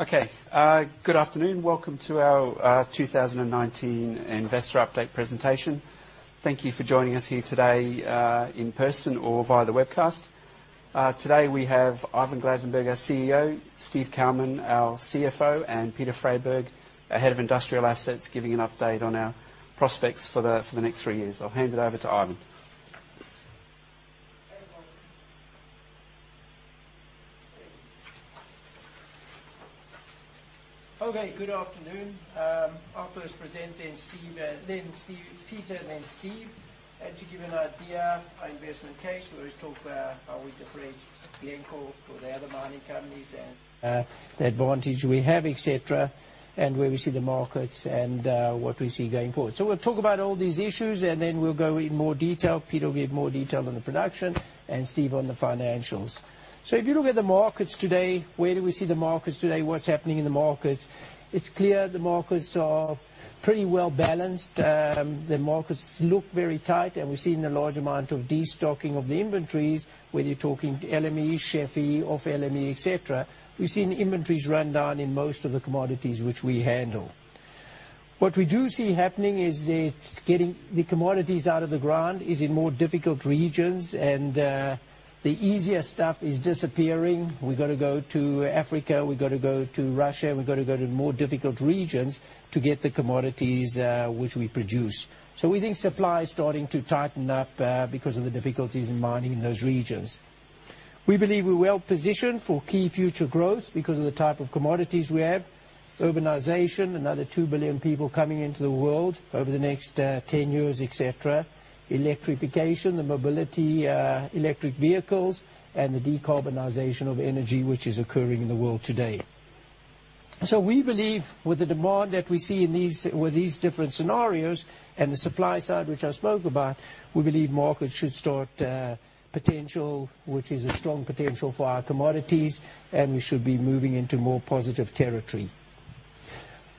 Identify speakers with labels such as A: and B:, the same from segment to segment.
A: Okay. Good afternoon. Welcome to our 2019 investor update presentation. Thank you for joining us here today in person or via the webcast. Today, we have Ivan Glasenberg, our CEO, Steve Kalmin, our CFO, and Peter Freyberg, our Head of Industrial Assets, giving an update on our prospects for the next three years. I'll hand it over to Ivan.
B: Okay, good afternoon. I'll first present, then Peter, then Steve. To give you an idea, our investment case, we always talk how we differentiate Glencore for the other mining companies and the advantage we have, et cetera, and where we see the markets and what we see going forward. We'll talk about all these issues, then we'll go in more detail. Peter will give more detail on the production and Steve on the financials. If you look at the markets today, where do we see the markets today? What's happening in the markets? It's clear the markets are pretty well-balanced. The markets look very tight, and we're seeing a large amount of destocking of the inventories, whether you're talking LME, SHFE, off-LME, et cetera. We've seen inventories run down in most of the commodities which we handle. What we do see happening is that getting the commodities out of the ground is in more difficult regions and the easier stuff is disappearing. We've got to go to Africa, we've got to go to Russia, we've got to go to more difficult regions to get the commodities which we produce. We think supply is starting to tighten up because of the difficulties in mining in those regions. We believe we're well-positioned for key future growth because of the type of commodities we have. Urbanization, another 2 billion people coming into the world over the next 10 years, et cetera. Electrification, the mobility, electric vehicles, and the decarbonization of energy, which is occurring in the world today. We believe with the demand that we see with these different scenarios and the supply side, which I spoke about, we believe markets should start potential, which is a strong potential for our commodities, and we should be moving into more positive territory.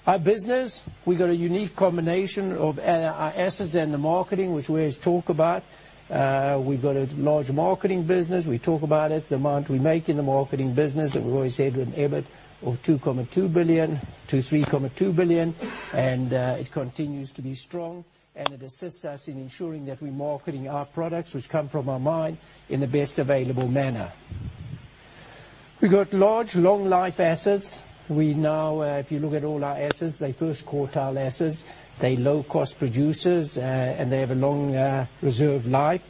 B: Our business, we've got a unique combination of our assets and the marketing, which we always talk about. We've got a large marketing business. We talk about it, the amount we make in the marketing business, and we've always said with an EBIT of $2.2 billion-$3.2 billion, and it continues to be strong, and it assists us in ensuring that we're marketing our products which come from our mine in the best available manner. We got large, long life assets. If you look at all our assets, they're first quartile assets. They're low cost producers, and they have a long reserve life.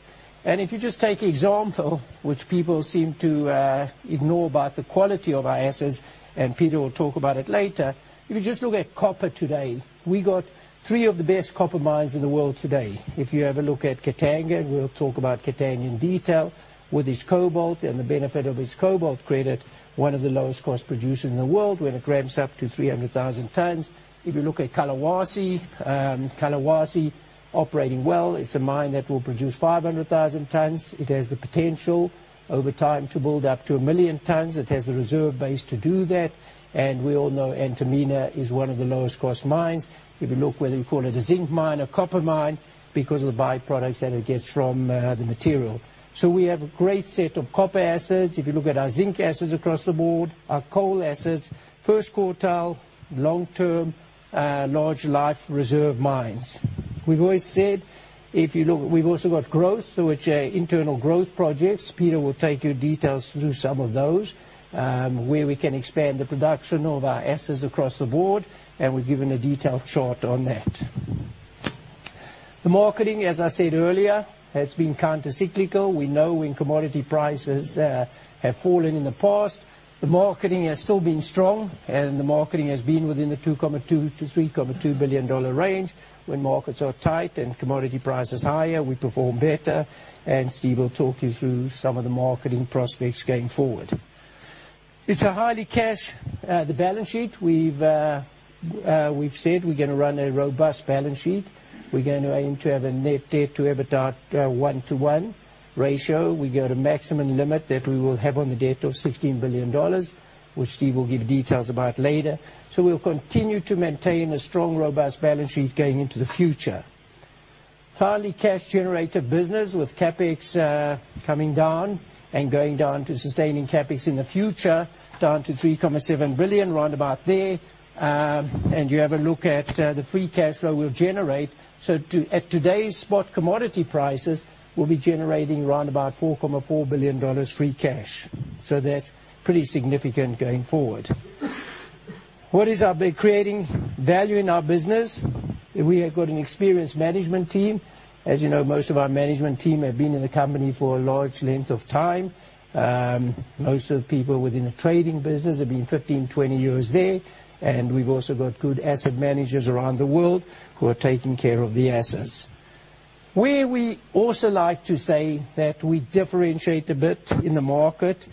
B: If you just take example, which people seem to ignore about the quality of our assets, and Peter will talk about it later, if you just look at copper today, we got three of the best copper mines in the world today. If you have a look at Katanga, and we'll talk about Katanga in detail, with its cobalt and the benefit of its cobalt credit, one of the lowest cost producers in the world when it ramps up to 300,000 tons. If you look at Collahuasi operating well. It's a mine that will produce 500,000 tons. It has the potential over time to build up to 1 million tons. It has the reserve base to do that. We all know Antamina is one of the lowest cost mines. If you look whether you call it a zinc mine or copper mine because of the byproducts that it gets from the material. We have a great set of copper assets. If you look at our zinc assets across the board, our coal assets, first quartile, long-term, large life reserve mines. We've always said we've also got growth, which are internal growth projects. Peter will take you details through some of those, where we can expand the production of our assets across the board, and we've given a detailed chart on that. The marketing, as I said earlier, has been counter-cyclical. We know when commodity prices have fallen in the past, the marketing has still been strong and the marketing has been within the $2.2 billion-$3.2 billion range. When markets are tight and commodity price is higher, we perform better. Steve will talk you through some of the marketing prospects going forward. The balance sheet. We've said we're going to run a robust balance sheet. We're going to aim to have a net debt to EBITDA at 1:1 ratio. We got a maximum limit that we will have on the debt of $16 billion, which Steve will give details about later. We'll continue to maintain a strong, robust balance sheet going into the future. It's highly cash generator business with CapEx coming down and going down to sustaining CapEx in the future, down to $3.7 billion, roundabout there. You have a look at the free cash flow we'll generate. At today's spot commodity prices, we'll be generating roundabout $4.4 billion free cash. That's pretty significant going forward. What is our big creating value in our business? We have got an experienced management team. As you know, most of our management team have been in the company for a large length of time. Most of the people within the trading business have been 15, 20 years there. We've also got good asset managers around the world who are taking care of the assets. Where we also like to say that we differentiate a bit in the market,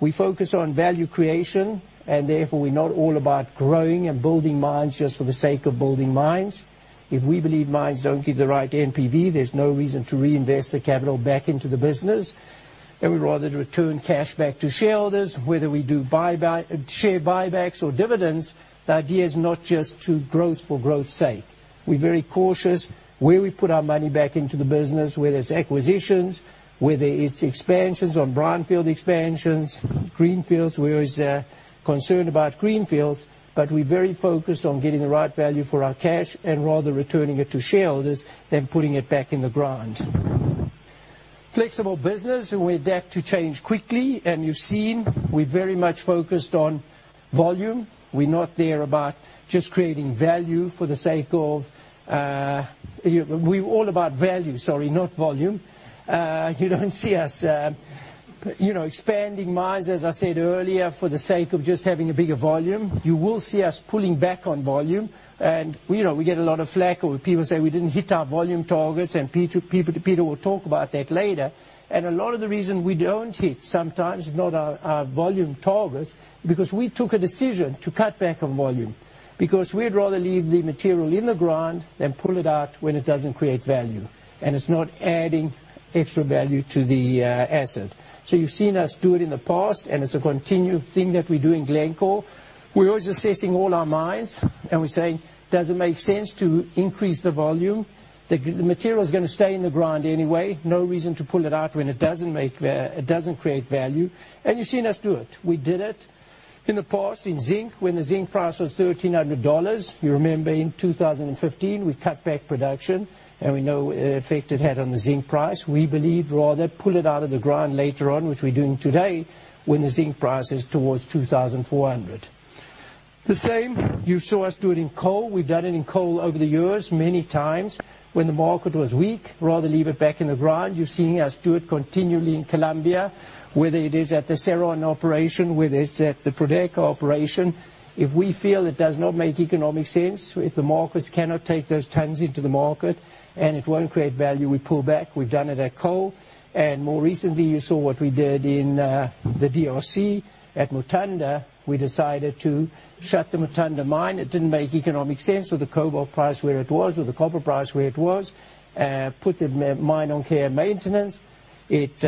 B: we focus on value creation, therefore, we're not all about growing and building mines just for the sake of building mines. If we believe mines don't give the right NPV, there's no reason to reinvest the capital back into the business. We'd rather return cash back to shareholders, whether we do share buybacks or dividends. The idea is not just to growth for growth's sake. We're very cautious where we put our money back into the business, where there's acquisitions, whether it's expansions on brownfield expansions, greenfields. We're always concerned about greenfields. We're very focused on getting the right value for our cash and rather returning it to shareholders than putting it back in the ground. Flexible business. We adapt to change quickly, and you've seen we're very much focused on volume. We're not there about just creating value. We're all about value, sorry, not volume. You don't see us expanding mines, as I said earlier, for the sake of just having a bigger volume. You will see us pulling back on volume. We get a lot of flak or people say we didn't hit our volume targets, and Peter will talk about that later. A lot of the reason we don't hit sometimes is not our volume targets because we took a decision to cut back on volume. We'd rather leave the material in the ground than pull it out when it doesn't create value and it's not adding extra value to the asset. You've seen us do it in the past, and it's a continued thing that we do in Glencore. We're always assessing all our mines, and we're saying, "Does it make sense to increase the volume?" The material is going to stay in the ground anyway. No reason to pull it out when it doesn't create value. You've seen us do it. We did it in the past in zinc when the zinc price was $1,300. You remember in 2015, we cut back production, and we know the effect it had on the zinc price. We believe rather pull it out of the ground later on, which we're doing today, when the zinc price is towards $2,400. The same, you saw us do it in coal. We've done it in coal over the years many times when the market was weak. Rather leave it back in the ground. You're seeing us do it continually in Colombia, whether it is at the Cerrejón operation, whether it's at the Prodeco operation. If we feel it does not make economic sense, if the markets cannot take those tons into the market and it won't create value, we pull back. We've done it at coal, and more recently, you saw what we did in the D.R.C. at Mutanda. We decided to shut the Mutanda mine. It didn't make economic sense with the cobalt price where it was or the copper price where it was. Put the mine on care and maintenance. It,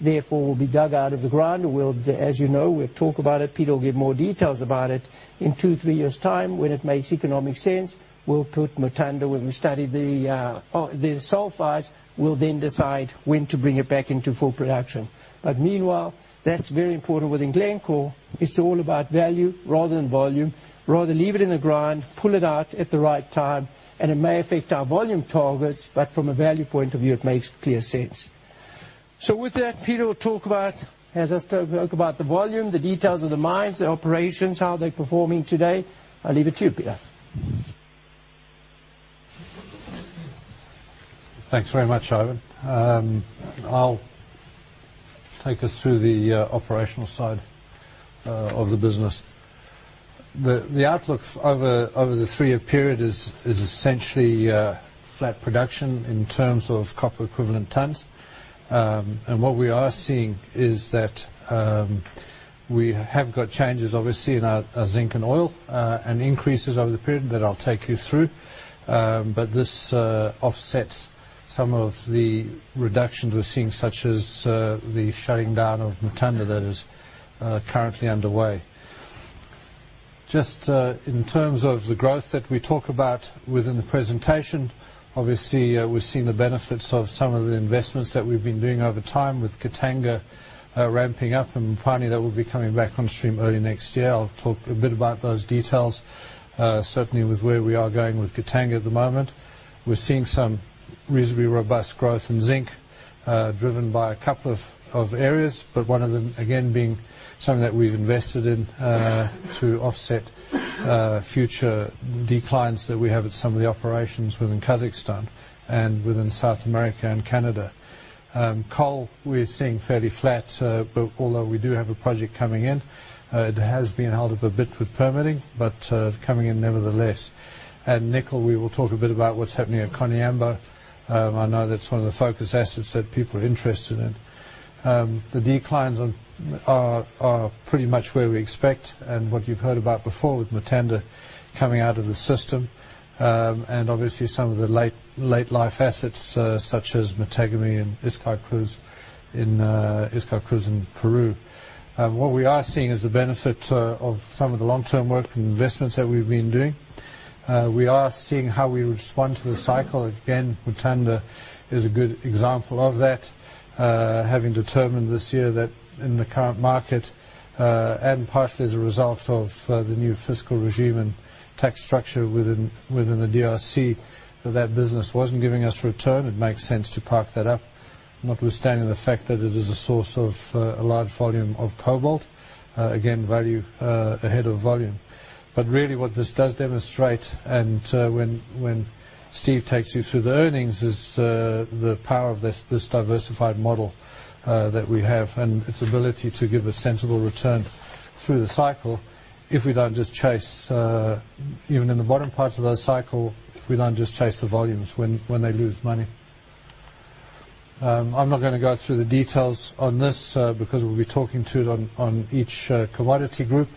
B: therefore, will be dug out of the ground. As you know, we'll talk about it. Peter will give more details about it. In two, three years’ time, when it makes economic sense, we'll put Mutanda, when we study the sulfides, we'll then decide when to bring it back into full production. Meanwhile, that's very important within Glencore. It's all about value rather than volume. Rather leave it in the ground, pull it out at the right time, and it may affect our volume targets, but from a value point of view, it makes clear sense. With that, Peter will talk about the volume, the details of the mines, the operations, how they're performing today. I leave it to you, Peter.
C: Thanks very much, Ivan. I'll take us through the operational side of the business. The outlook over the three-year period is essentially flat production in terms of copper equivalent tons. What we are seeing is that we have got changes, obviously, in our zinc and oil and increases over the period that I'll take you through. This offsets some of the reductions we're seeing, such as the shutting down of Mutanda that is currently underway. Just in terms of the growth that we talk about within the presentation, obviously, we're seeing the benefits of some of the investments that we've been doing over time with Katanga ramping up. Finally, that will be coming back on stream early next year. I'll talk a bit about those details, certainly with where we are going with Katanga at the moment. We're seeing some reasonably robust growth in zinc, driven by a couple of areas, but one of them, again, being something that we've invested in to offset future declines that we have at some of the operations within Kazakhstan and within South America and Canada. Coal, we're seeing fairly flat, although we do have a project coming in. It has been held up a bit with permitting, but coming in nevertheless. Nickel, we will talk a bit about what's happening at Koniambo. I know that's one of the focus assets that people are interested in. The declines are pretty much where we expect and what you've heard about before with Mutanda coming out of the system, and obviously some of the late-life assets such as Matagami and Iscaycruz in Peru. What we are seeing is the benefit of some of the long-term work and investments that we've been doing. We are seeing how we respond to the cycle. Again, Mutanda is a good example of that, having determined this year that in the current market, and partially as a result of the new fiscal regime and tax structure within the DRC, that that business wasn't giving us return. It makes sense to park that up, notwithstanding the fact that it is a source of a large volume of cobalt. Again, value ahead of volume. Really what this does demonstrate, and when Steve takes you through the earnings, is the power of this diversified model that we have and its ability to give a sensible return through the cycle if we don't just chase, even in the bottom parts of the cycle, if we don't just chase the volumes when they lose money. I'm not going to go through the details on this because we'll be talking to it on each commodity group.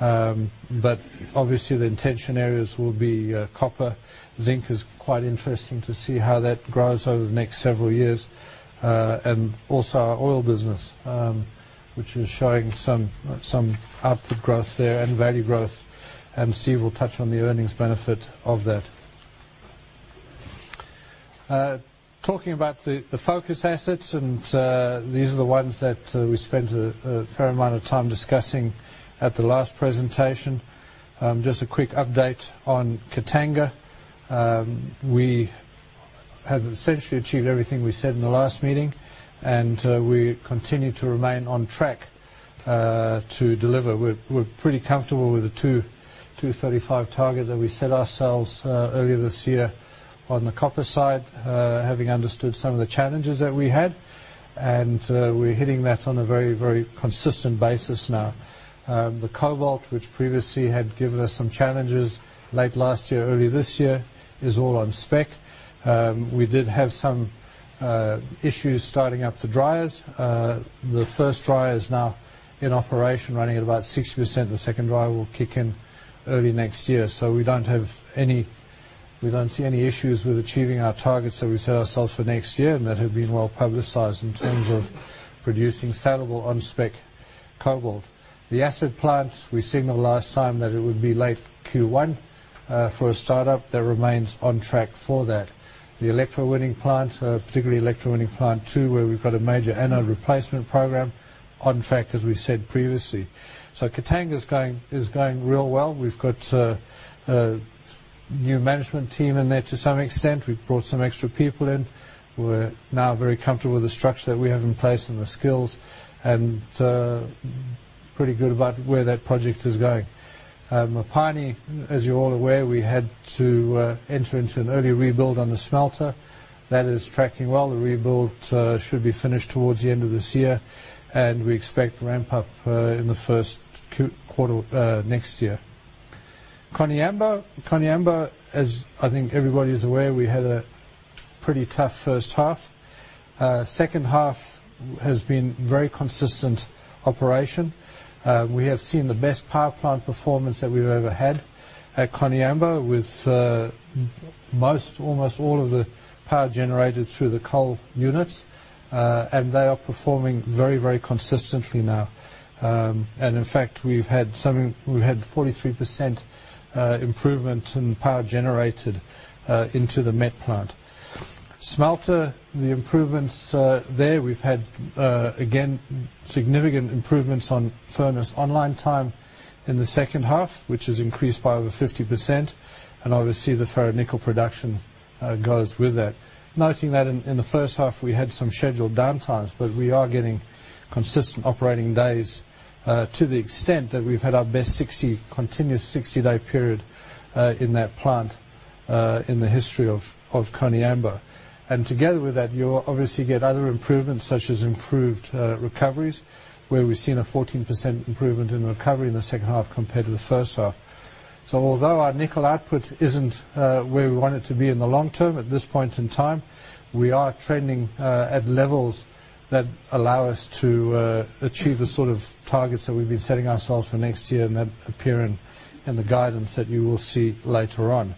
C: Obviously, the intention areas will be copper. Zinc is quite interesting to see how that grows over the next several years. Also our oil business, which is showing some output growth there and value growth, and Steve will touch on the earnings benefit of that. Talking about the focus assets. These are the ones that we spent a fair amount of time discussing at the last presentation. Just a quick update on Katanga. We have essentially achieved everything we said in the last meeting, and we continue to remain on track to deliver. We're pretty comfortable with the 235 target that we set ourselves earlier this year on the copper side, having understood some of the challenges that we had. We're hitting that on a very consistent basis now. The cobalt, which previously had given us some challenges late last year, early this year, is all on spec. We did have some issues starting up the dryers. The first dryer is now in operation, running at about 60%. The second dryer will kick in early next year. We don't see any issues with achieving our targets that we set ourselves for next year and that have been well-publicized in terms of producing sellable on-spec cobalt. The acid plant, we signaled last time that it would be late Q1 for a startup. That remains on track for that. The electrowinning plant, particularly electrowinning plant two, where we've got a major anode replacement program, on track as we said previously. Katanga is going real well. We've got a new management team in there to some extent. We've brought some extra people in. We're now very comfortable with the structure that we have in place and the skills, and pretty good about where that project is going. Mopani, as you're all aware, we had to enter into an early rebuild on the smelter. That is tracking well. The rebuild should be finished towards the end of this year, and we expect ramp up in the first quarter next year. Koniambo, as I think everybody is aware, we had a pretty tough first half. Second half has been very consistent operation. We have seen the best power plant performance that we've ever had at Koniambo, with almost all of the power generated through the coal units, and they are performing very consistently now. In fact, we've had 43% improvement in power generated into the met plant. Smelter, the improvements there, we've had, again, significant improvements on furnace online time in the second half, which has increased by over 50%. Obviously, the ferro-nickel production goes with that. Noting that in the first half we had some scheduled downtimes. We are getting consistent operating days to the extent that we've had our best continuous 60-day period in that plant in the history of Koniambo. Together with that, you obviously get other improvements such as improved recoveries, where we've seen a 14% improvement in recovery in the second half compared to the first half. Although our nickel output isn't where we want it to be in the long term, at this point in time, we are trending at levels that allow us to achieve the sort of targets that we've been setting ourselves for next year and that appear in the guidance that you will see later on.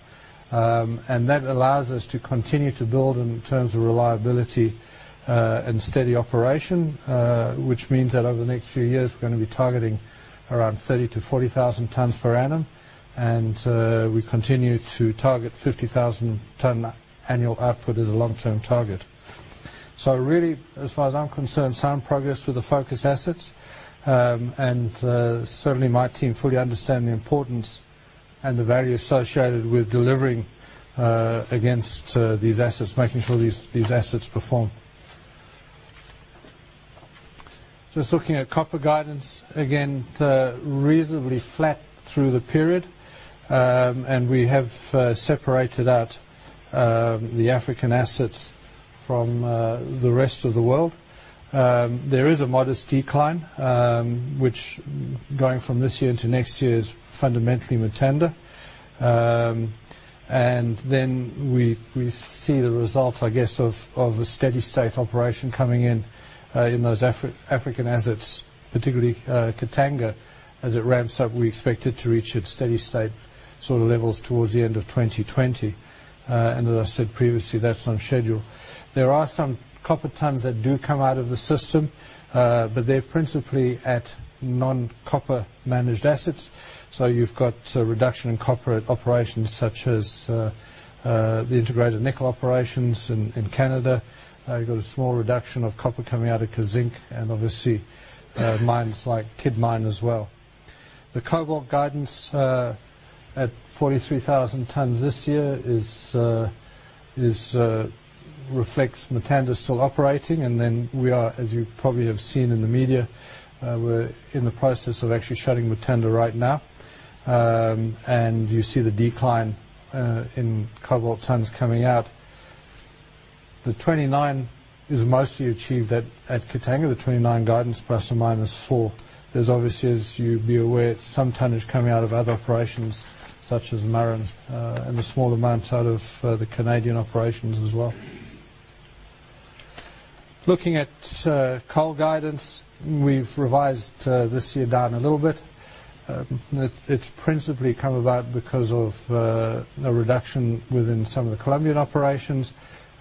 C: That allows us to continue to build in terms of reliability and steady operation, which means that over the next few years, we're going to be targeting around 30,000-40,000 tons per annum. We continue to target 50,000 ton annual output as a long-term target. Really, as far as I'm concerned, sound progress with the focus assets. Certainly my team fully understand the importance and the value associated with delivering against these assets, making sure these assets perform. Looking at copper guidance, again, reasonably flat through the period. We have separated out the African assets from the rest of the world. There is a modest decline, which going from this year to next year is fundamentally Mutanda. We see the result, I guess, of a steady state operation coming in those African assets, particularly Katanga. As it ramps up, we expect it to reach its steady state sort of levels towards the end of 2020. As I said previously, that's on schedule. There are some copper tons that do come out of the system, but they're principally at non-copper managed assets. You've got a reduction in copper operations such as the Integrated Nickel Operations in Canada. You've got a small reduction of copper coming out of Kazzinc and obviously mines like Kidd Mine as well. The cobalt guidance at 43,000 tons this year reflects Mutanda is still operating and then we are, as you probably have seen in the media, we're in the process of actually shutting Mutanda right now. You see the decline in cobalt tons coming out. The 29 is mostly achieved at Katanga, the 29 guidance plus or minus four. There's obviously, as you'd be aware, some tonnage coming out of other operations such as Murrin and a small amount out of the Canadian operations as well. Looking at coal guidance, we've revised this year down a little bit. It's principally come about because of a reduction within some of the Colombian operations,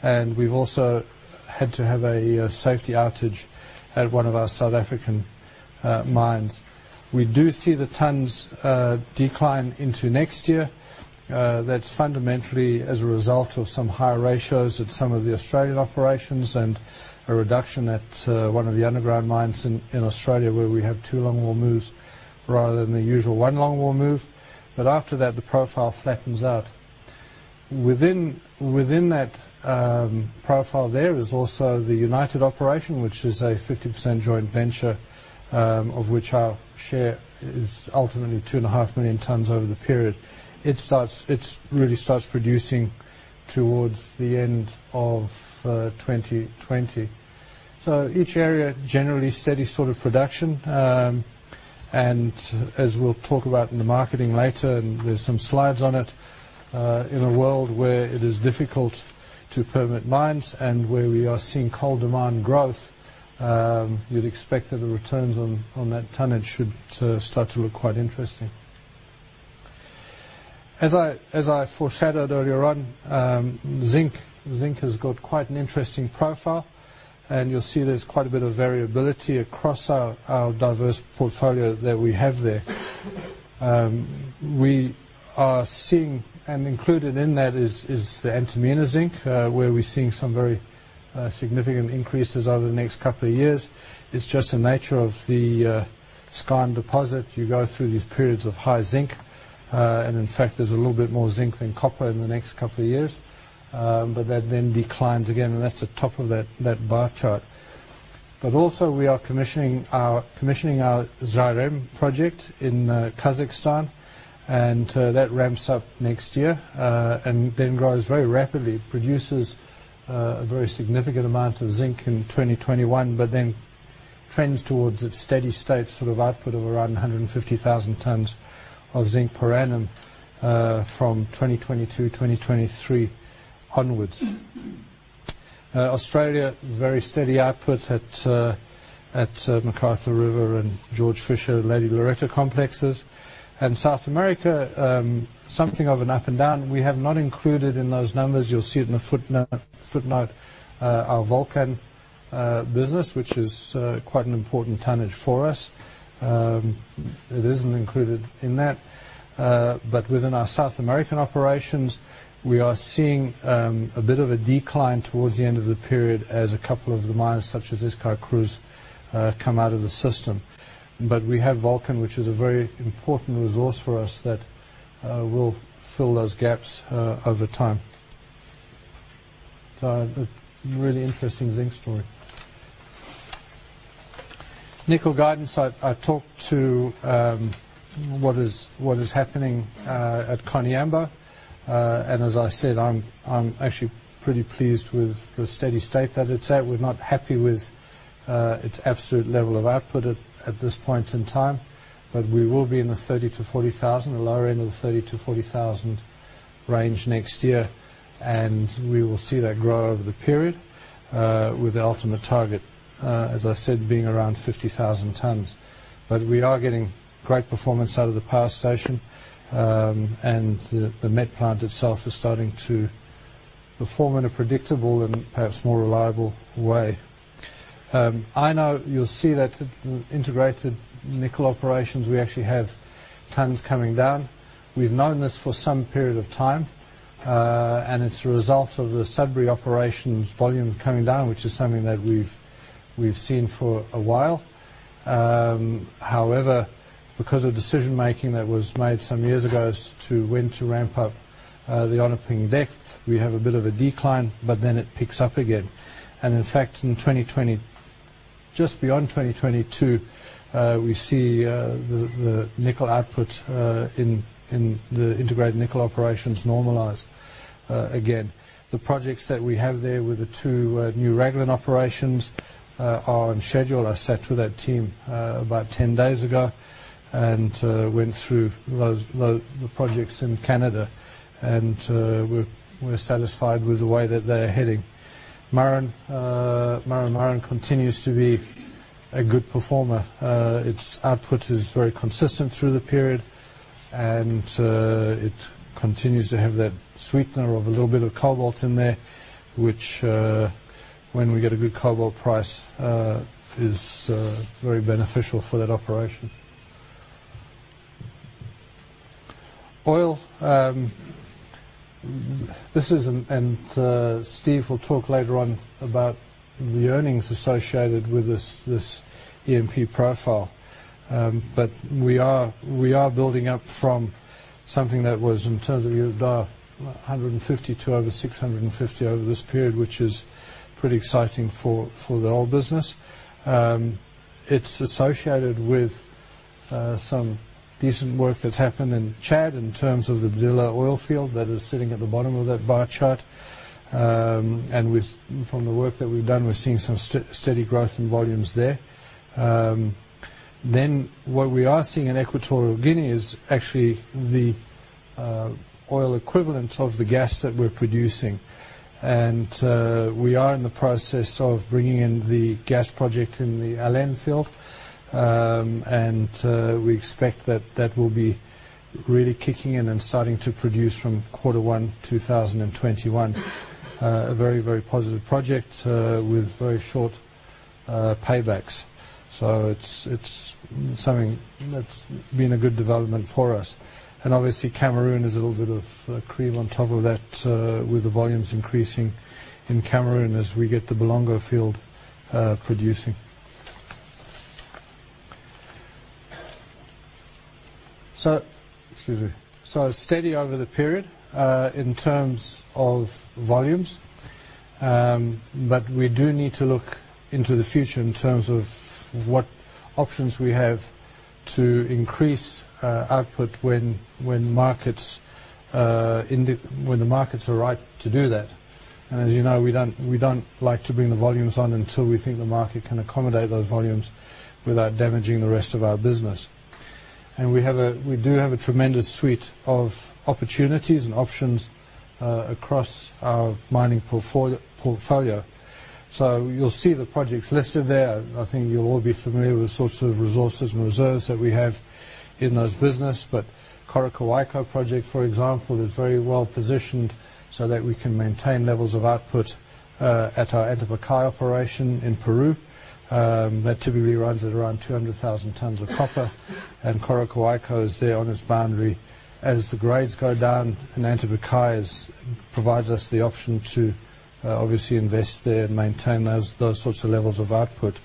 C: and we've also had to have a safety outage at one of our South African mines. We do see the tons decline into next year. That's fundamentally as a result of some higher ratios at some of the Australian operations and a reduction at one of the underground mines in Australia where we have two longwall moves rather than the usual one longwall move. After that, the profile flattens out. Within that profile, there is also the United operation, which is a 50% joint venture, of which our share is ultimately 2.5 million tons over the period. It really starts producing towards the end of 2020. Each area, generally steady sort of production. As we'll talk about in the marketing later, and there's some slides on it, in a world where it is difficult to permit mines and where we are seeing coal demand growth, you'd expect that the returns on that tonnage should start to look quite interesting. As I foreshadowed earlier on, zinc has got quite an interesting profile. You'll see there's quite a bit of variability across our diverse portfolio that we have there. We are seeing. Included in that is the Antamina zinc, where we're seeing some very significant increases over the next couple of years. It's just the nature of the skarn deposit. You go through these periods of high zinc. In fact, there's a little bit more zinc than copper in the next couple of years. That then declines again. That's the top of that bar chart. Also, we are commissioning our Zhairem project in Kazakhstan. That ramps up next year. Then grows very rapidly. It produces a very significant amount of zinc in 2021, then trends towards its steady state sort of output of around 150,000 tons of zinc per annum from 2022, 2023 onwards. Australia, very steady output at McArthur River and George Fisher, Lady Loretta complexes. South America, something of an up and down. We have not included in those numbers, you'll see it in the footnote, our Volcan business, which is quite an important tonnage for us. It isn't included in that. Within our South American operations, we are seeing a bit of a decline towards the end of the period as a couple of the mines, such as Escobal, Iscaycruz, come out of the system. We have Volcan, which is a very important resource for us that will fill those gaps over time. A really interesting zinc story. Nickel guidance, I talked to what is happening at Koniambo, as I said, I'm actually pretty pleased with the steady state that it's at. We're not happy with its absolute level of output at this point in time, we will be in the 30,000 to 40,000, the lower end of the 30,000 to 40,000 range next year. We will see that grow over the period with the ultimate target, as I said, being around 50,000 tons. We are getting great performance out of the power station, the met plant itself is starting to perform in a predictable and perhaps more reliable way. INO, you'll see that integrated nickel operations, we actually have tons coming down. We've known this for some period of time, it's a result of the Sudbury operations volumes coming down, which is something that we've seen for a while. However, because of decision-making that was made some years ago as to when to ramp up the Onaping Depth, we have a bit of a decline, but then it picks up again. In fact, in 2020, just beyond 2022, we see the nickel output in the integrated nickel operations normalize again. The projects that we have there with the two new Raglan operations are on schedule. I sat with that team about 10 days ago and went through the projects in Canada, and we're satisfied with the way that they are heading. Murrin Murrin continues to be a good performer. Its output is very consistent through the period, and it continues to have that sweetener of a little bit of cobalt in there, which when we get a good cobalt price, is very beneficial for that operation. Oil. This is, Steve will talk later on about the earnings associated with this E&P profile. We are building up from something that was in terms of EBITDA, $150 to over $650 over this period, which is pretty exciting for the oil business. It's associated with some decent work that's happened in Chad in terms of the Badila oil field that is sitting at the bottom of that bar chart. From the work that we've done, we're seeing some steady growth in volumes there. What we are seeing in Equatorial Guinea is actually the oil equivalent of the gas that we're producing. We are in the process of bringing in the gas project in the Alen field, we expect that will be really kicking in and starting to produce from quarter one 2021. A very, very positive project with very short paybacks. It's something that's been a good development for us. Obviously Cameroon is a little bit of cream on top of that with the volumes increasing in Cameroon as we get the Bolongo field producing. Excuse me. Steady over the period, in terms of volumes. We do need to look into the future in terms of what options we have to increase output when the markets are ripe to do that. As you know, we don't like to bring the volumes on until we think the market can accommodate those volumes without damaging the rest of our business. We do have a tremendous suite of opportunities and options across our mining portfolio. You'll see the projects listed there. I think you'll all be familiar with the sorts of resources and reserves that we have in those businesses. Coroccohuayco project, for example, is very well-positioned so that we can maintain levels of output at our Antamina operation in Peru. That typically runs at around 200,000 tons of copper, and Coroccohuayco is there on its boundary. As the grades go down and Antamina provides us the option to obviously invest there and maintain those sorts of levels of output.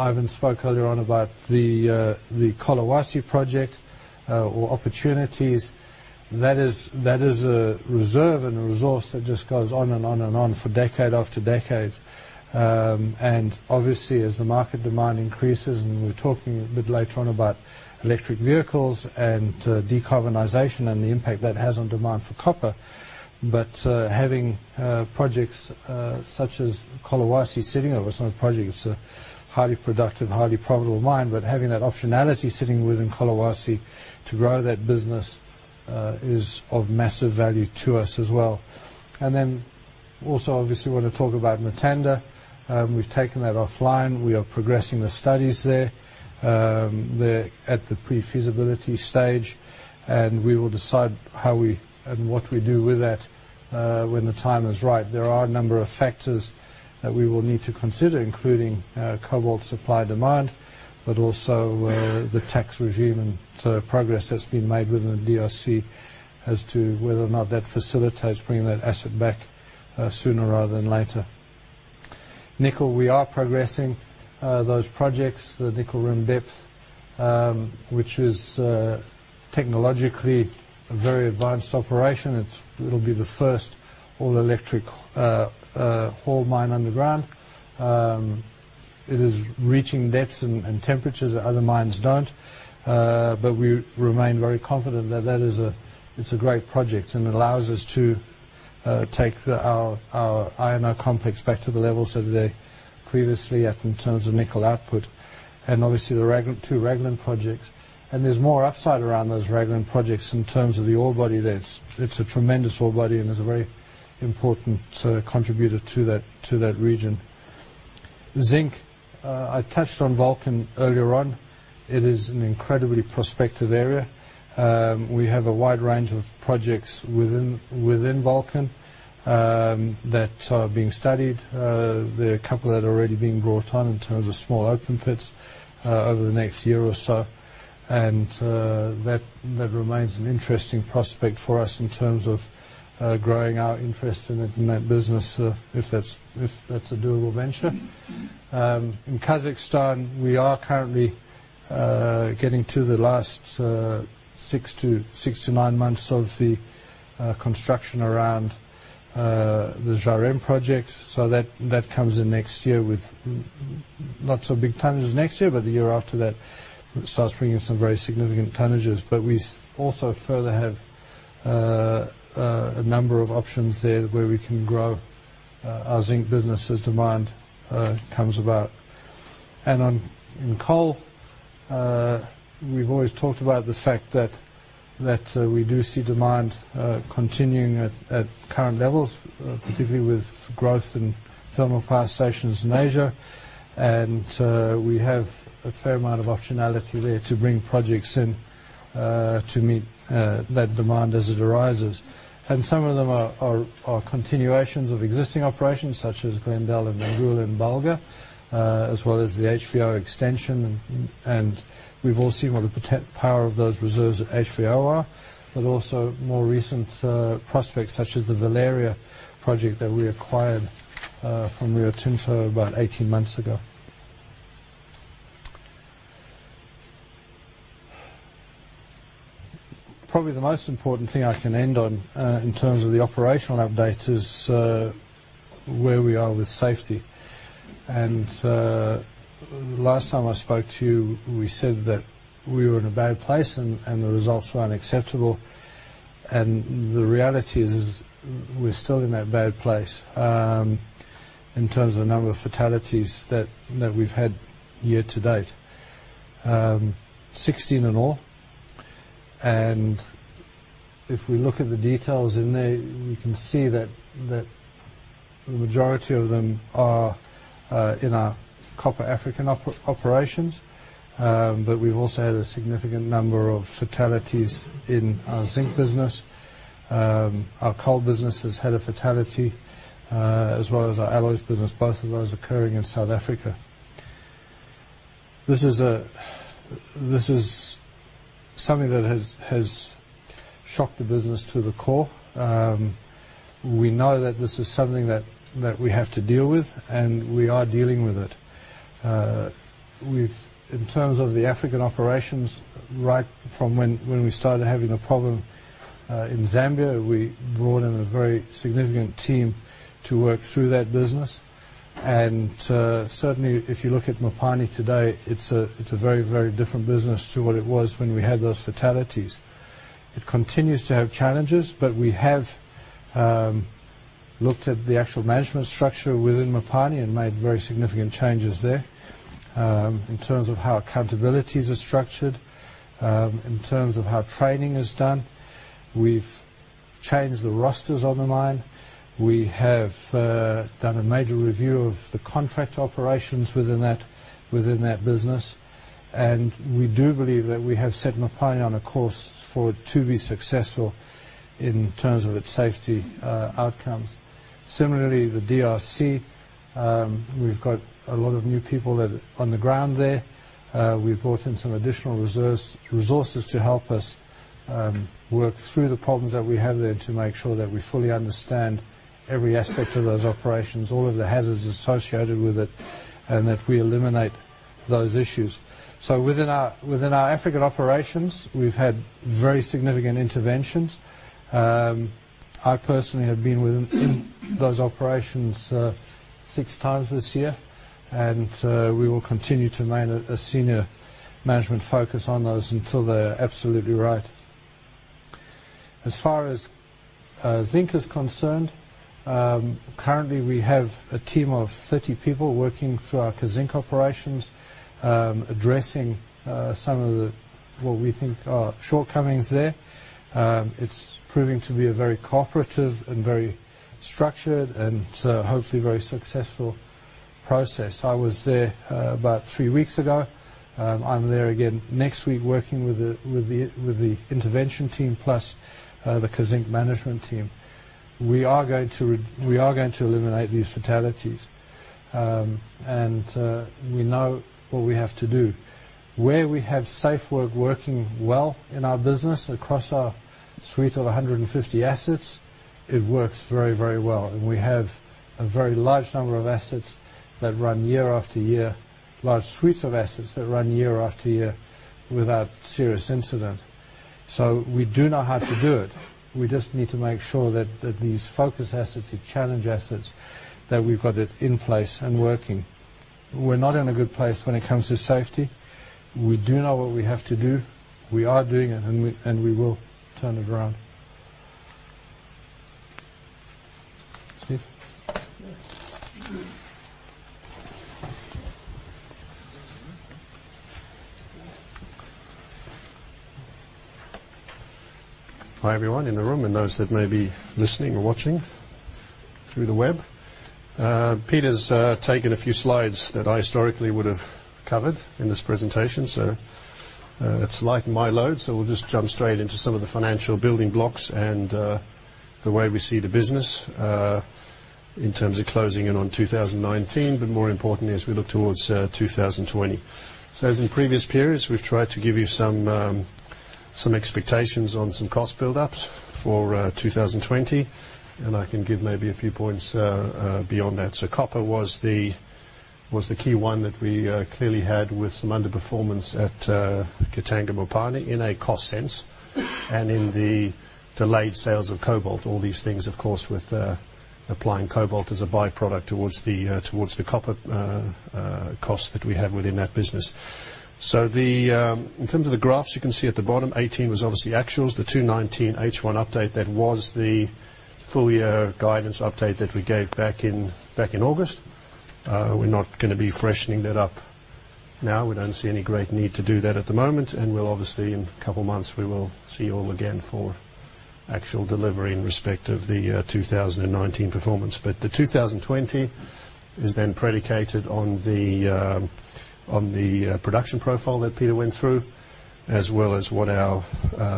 C: Ivan spoke earlier on about the Collahuasi project, or opportunities. That is a reserve and a resource that just goes on and on and on for decade after decade. Obviously as the market demand increases, and we're talking a bit later on about electric vehicles and decarbonization and the impact that has on demand for copper. Having projects such as Collahuasi sitting, or it's not a project, it's a highly productive, highly profitable mine, but having that optionality sitting within Collahuasi to grow that business, is of massive value to us as well. Also obviously want to talk about Mutanda. We've taken that offline. We are progressing the studies there. They're at the pre-feasibility stage, we will decide how we, and what we do with that, when the time is right. There are a number of factors that we will need to consider, including cobalt supply demand, but also the tax regime and progress that's been made within the DRC as to whether or not that facilitates bringing that asset back sooner rather than later. Nickel, we are progressing those projects. The Nickel Rim Deep, which is technologically a very advanced operation. It'll be the first all-electric ore mine underground. It is reaching depths and temperatures that other mines don't. We remain very confident that that is a great project and allows us to take our INO complex back to the levels that they previously at in terms of nickel output. Obviously the two Raglan projects. There's more upside around those Raglan projects in terms of the ore body there. It's a tremendous ore body and is a very important contributor to that region. zinc, I touched on Volcan earlier on. It is an incredibly prospective area. We have a wide range of projects within Volcan that are being studied. There are a couple that are already being brought on in terms of small open pits, over the next year or so. That remains an interesting prospect for us in terms of growing our interest in that business, if that's a doable venture. In Kazakhstan, we are currently getting to the last six to nine months of the construction around the Zhairem project. That comes in next year with not so big tonnages next year, but the year after that starts bringing some very significant tonnages. We also further have a number of options there where we can grow our zinc business as demand comes about. In coal, we've always talked about the fact that we do see demand continuing at current levels, particularly with growth in thermal power stations in Asia. We have a fair amount of optionality there to bring projects in to meet that demand as it arises. Some of them are continuations of existing operations, such as Glendell and Mangoola and Bulga, as well as the HVO extension. We've all seen what the power of those reserves at HVO are. Also more recent prospects such as the Valeria project that we acquired from Rio Tinto about 18 months ago. Probably the most important thing I can end on, in terms of the operational update, is where we are with safety. The last time I spoke to you, we said that we were in a bad place and the results were unacceptable. The reality is, we're still in that bad place, in terms of the number of fatalities that we've had year to date. 16 in all. If we look at the details in there, we can see that the majority of them are in our copper African operations. We've also had a significant number of fatalities in our zinc business. Our coal business has had a fatality, as well as our alloys business, both of those occurring in South Africa. This is something that has shocked the business to the core. We know that this is something that we have to deal with, and we are dealing with it. In terms of the African operations, right from when we started having a problem in Zambia, we brought in a very significant team to work through that business. Certainly, if you look at Mopani today, it's a very, very different business to what it was when we had those fatalities. It continues to have challenges. We have looked at the actual management structure within Mopani and made very significant changes there, in terms of how accountabilities are structured, in terms of how training is done. We've changed the rosters on the mine. We have done a major review of the contract operations within that business. We do believe that we have set Mopani on a course for it to be successful in terms of its safety outcomes. Similarly, the DRC, we've got a lot of new people on the ground there. We've brought in some additional resources to help us work through the problems that we have there to make sure that we fully understand every aspect of those operations, all of the hazards associated with it, and that we eliminate those issues. Within our African operations, we've had very significant interventions. I personally have been within those operations six times this year, and we will continue to maintain a senior management focus on those until they are absolutely right. As far as zinc is concerned, currently we have a team of 30 people working through our Kazzinc operations, addressing some of the, what we think are shortcomings there. It's proving to be a very cooperative and very structured and hopefully very successful process. I was there about three weeks ago. I'm there again next week working with the intervention team plus the Kazzinc management team. We are going to eliminate these fatalities. We know what we have to do. Where we have safe work working well in our business across our suite of 150 assets, it works very, very well. We have a very large number of assets that run year after year, large suites of assets that run year after year without serious incident. We do know how to do it. We just need to make sure that these focus assets, the challenge assets, that we've got it in place and working. We're not in a good place when it comes to safety. We do know what we have to do. We are doing it, we will turn it around. Steve?
D: Hi, everyone in the room and those that may be listening or watching through the web. Peter's taken a few slides that I historically would have covered in this presentation. It's lighten my load, we'll just jump straight into some of the financial building blocks and the way we see the business, in terms of closing in on 2019, more importantly, as we look towards 2020. As in previous periods, we've tried to give you some expectations on some cost buildups for 2020, and I can give maybe a few points beyond that. Copper was the key one that we clearly had with some underperformance at Katanga Mopani in a cost sense, and in the delayed sales of cobalt. All these things, of course, with applying cobalt as a byproduct towards the copper cost that we have within that business. In terms of the graphs, you can see at the bottom, 2018 was obviously actuals. The 2019 H1 update, that was the full-year guidance update that we gave back in August. We're not going to be freshening that up now. We don't see any great need to do that at the moment. We'll obviously, in a couple of months, we will see you all again for actual delivery in respect of the 2019 performance. The 2020 is then predicated on the production profile that Peter went through, as well as what our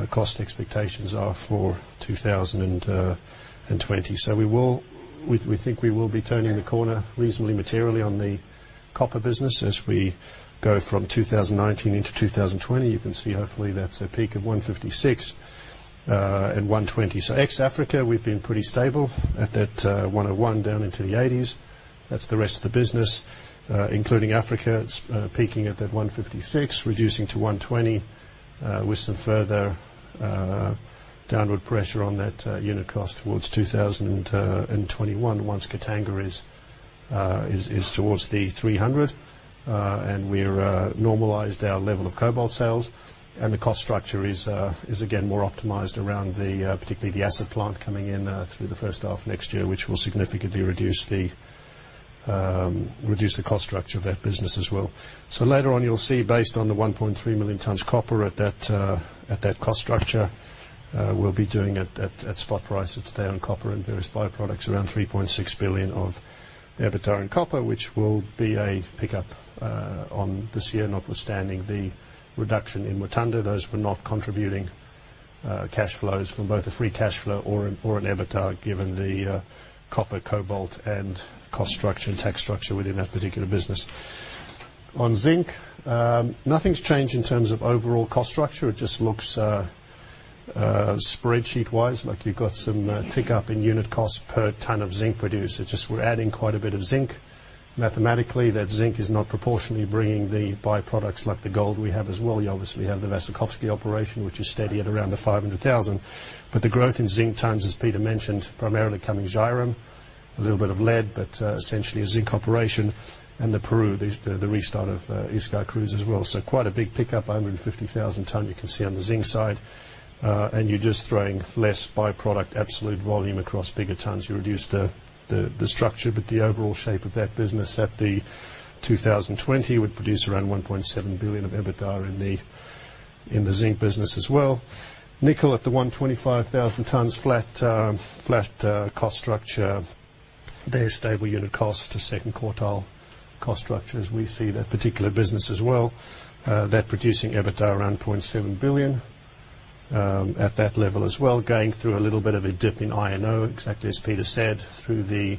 D: cost expectations are for 2020. We think we will be turning the corner reasonably materially on the copper business as we go from 2019 into 2020. You can see hopefully that's a peak of 156, and 120. Ex-Africa, we've been pretty stable at that 101 down into the 80s. That's the rest of the business, including Africa. It's peaking at that 156, reducing to 120, with some further downward pressure on that unit cost towards 2021 once Katanga is towards the 300, and we're normalized our level of cobalt sales and the cost structure is again more optimized around particularly the acid plant coming in through the first half next year, which will significantly reduce the cost structure of that business as well. Later on you'll see based on the 1.3 million tons copper at that cost structure, we'll be doing at spot prices today on copper and various byproducts around $3.6 billion of the EBITDA in copper, which will be a pickup on this year, notwithstanding the reduction in Mutanda. Those were not contributing cash flows from both a free cash flow or an EBITDA, given the copper, cobalt, and cost structure and tax structure within that particular business. Nothing's changed in terms of overall cost structure. It just looks spreadsheet-wise like you've got some tick up in unit cost per ton of zinc produced. It's just we're adding quite a bit of zinc. Mathematically, that zinc is not proportionally bringing the byproducts like the gold we have as well. You obviously have the Vasilkovskoye operation, which is steady at around the 500,000. The growth in zinc tons, as Peter mentioned, primarily coming Zhairem, a little bit of lead, but essentially a zinc operation. The Peru, the restart of Iscaycruz as well. Quite a big pickup, 150,000 ton you can see on the zinc side. You're just throwing less byproduct, absolute volume across bigger tons. You reduce the structure, but the overall shape of that business at the 2020 would produce around $1.7 billion of EBITDA in the zinc business as well. Nickel at the 125,000 tons flat cost structure. They're stable unit cost, a second quartile cost structure as we see that particular business as well. That producing EBITDA around $0.7 billion at that level as well. Going through a little bit of a dip in INO, exactly as Peter said, through the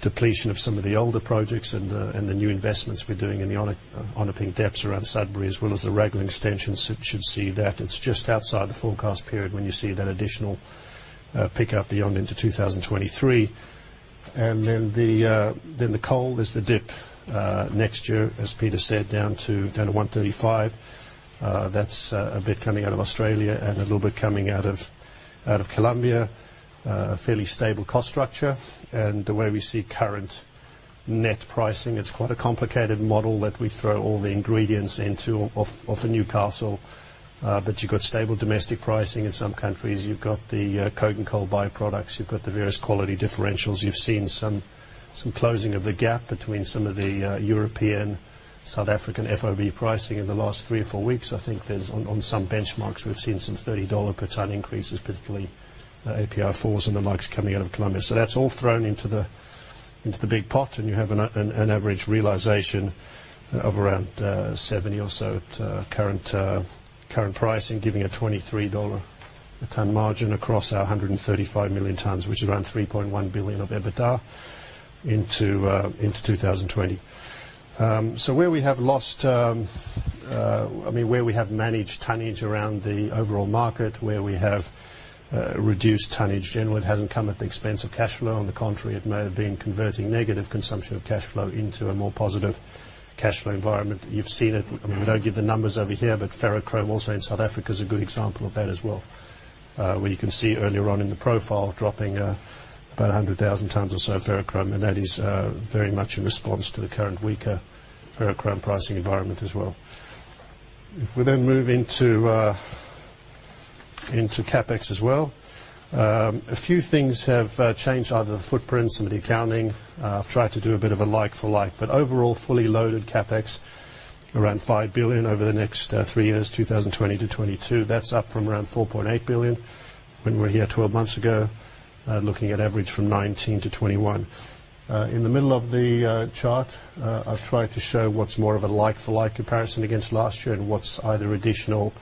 D: depletion of some of the older projects and the new investments we're doing in the Onaping Depth around Sudbury, as well as the Raglan extensions should see that. It's just outside the forecast period when you see that additional pickup beyond into 2023. The coal is the dip next year, as Peter said, down to 135. That's a bit coming out of Australia and a little bit coming out of Colombia. Fairly stable cost structure. The way we see current net pricing, it's quite a complicated model that we throw all the ingredients into of a Newcastle. You've got stable domestic pricing in some countries. You've got the coking coal byproducts. You've got the various quality differentials. You've seen some closing of the gap between some of the European, South African FOB pricing in the last three or four weeks. I think there's on some benchmarks, we've seen some $30 per ton increases, particularly API 4s and the likes coming out of Colombia. That's all thrown into the big pot, and you have an average realization of around 70 or so at current pricing, giving a $23 a ton margin across our 135 million tons, which is around $3.1 billion of EBITDA into 2020. I mean, where we have managed tonnage around the overall market, where we have reduced tonnage, generally it hasn't come at the expense of cash flow. On the contrary, it may have been converting negative consumption of cash flow into a more positive cash flow environment. You've seen it. I mean, we don't give the numbers over here, but ferrochrome also in South Africa is a good example of that as well where you can see earlier on in the profile dropping about 100,000 tons or so of ferrochrome, and that is very much a response to the current weaker ferrochrome pricing environment as well. If we move into CapEx as well. A few things have changed, either the footprint, some of the accounting. I've tried to do a bit of a like for like, but overall, fully loaded CapEx around $5 billion over the next three years, 2020 to 2022. That's up from around $4.8 billion when we were here 12 months ago, looking at average from 2019 to 2021. In the middle of the chart, I've tried to show what's more of a like-for-like comparison against last year and what's either additional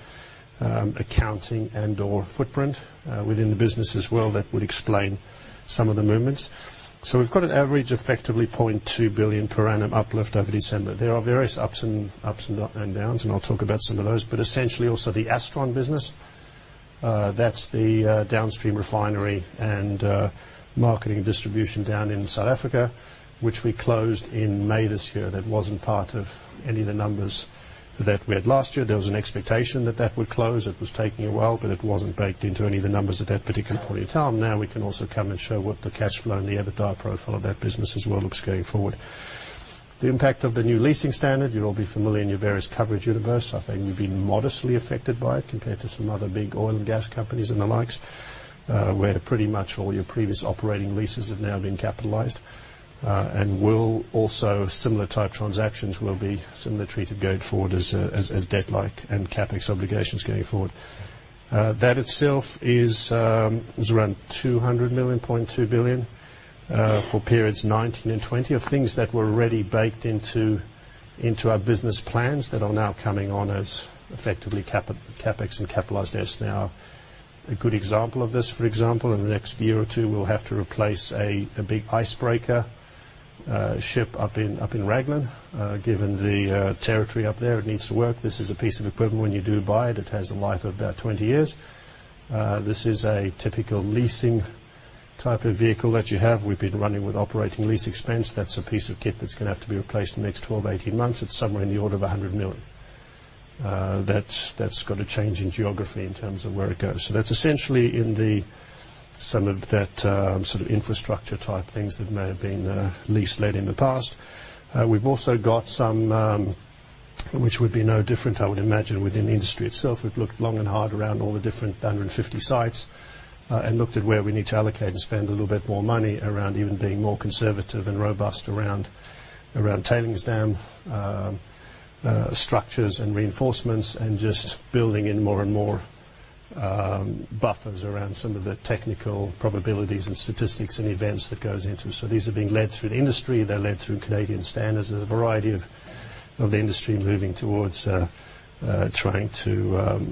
D: accounting and/or footprint within the business as well that would explain some of the movements. We've got an average, effectively, $0.2 billion per annum uplift over December. There are various ups and downs, and I'll talk about some of those. Essentially also the Astron business, that's the downstream refinery and marketing and distribution down in South Africa, which we closed in May this year. That wasn't part of any of the numbers that we had last year. There was an expectation that that would close. It was taking a while, but it wasn't baked into any of the numbers at that particular point in time. We can also come and show what the cash flow and the EBITDA profile of that business as well looks going forward. The impact of the new leasing standard. You'll all be familiar in your various coverage universe. I think we've been modestly affected by it compared to some other big oil and gas companies and the likes where pretty much all your previous operating leases have now been capitalized. Similar type transactions will be similarly treated going forward as debt-like and CapEx obligations going forward. That itself is around $200 million, $0.2 billion for periods 2019 and 2020 of things that were already baked into our business plans that are now coming on as effectively CapEx and capitalized S now. A good example of this, for example, in the next year or two, we'll have to replace a big icebreaker ship up in Raglan. Given the territory up there, it needs to work. This is a piece of equipment when you do buy it has a life of about 20 years. This is a typical leasing type of vehicle that you have. We've been running with operating lease expense. That's a piece of kit that's going to have to be replaced in the next 12 to 18 months. It's somewhere in the order of $100 million. That's got a change in geography in terms of where it goes. That's essentially in the sum of that sort of infrastructure type things that may have been lease led in the past. We've also got some which would be no different, I would imagine, within the industry itself. We've looked long and hard around all the different 150 sites and looked at where we need to allocate and spend a little bit more money around even being more conservative and robust around tailings dam structures and reinforcements, and just building in more and more buffers around some of the technical probabilities and statistics and events that goes into. These are being led through the industry, they're led through Canadian standards. There's a variety of the industry moving towards trying to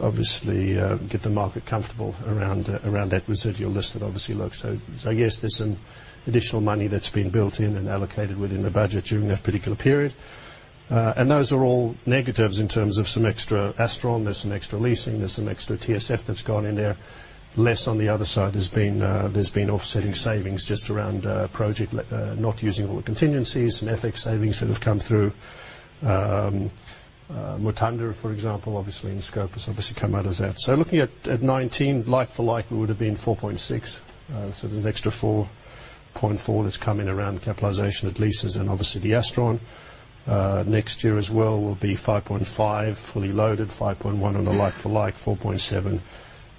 D: obviously get the market comfortable around that residual list that obviously looks. Yes, there's some additional money that's been built in and allocated within the budget during that particular period. Those are all negatives in terms of some extra Astron, there's some extra leasing, there's some extra TSF that's gone in there. Less on the other side. There's been offsetting savings just around project, not using all the contingencies, some FX savings that have come through. Mutanda, for example, obviously in scope has obviously come out of that. Looking at 2019, like for like, we would have been $4.6. There's an extra $4.4 that's come in around capitalization of leases and obviously the Astron. Next year as well will be $5.5 fully loaded, $5.1 on a like-for-like, $4.7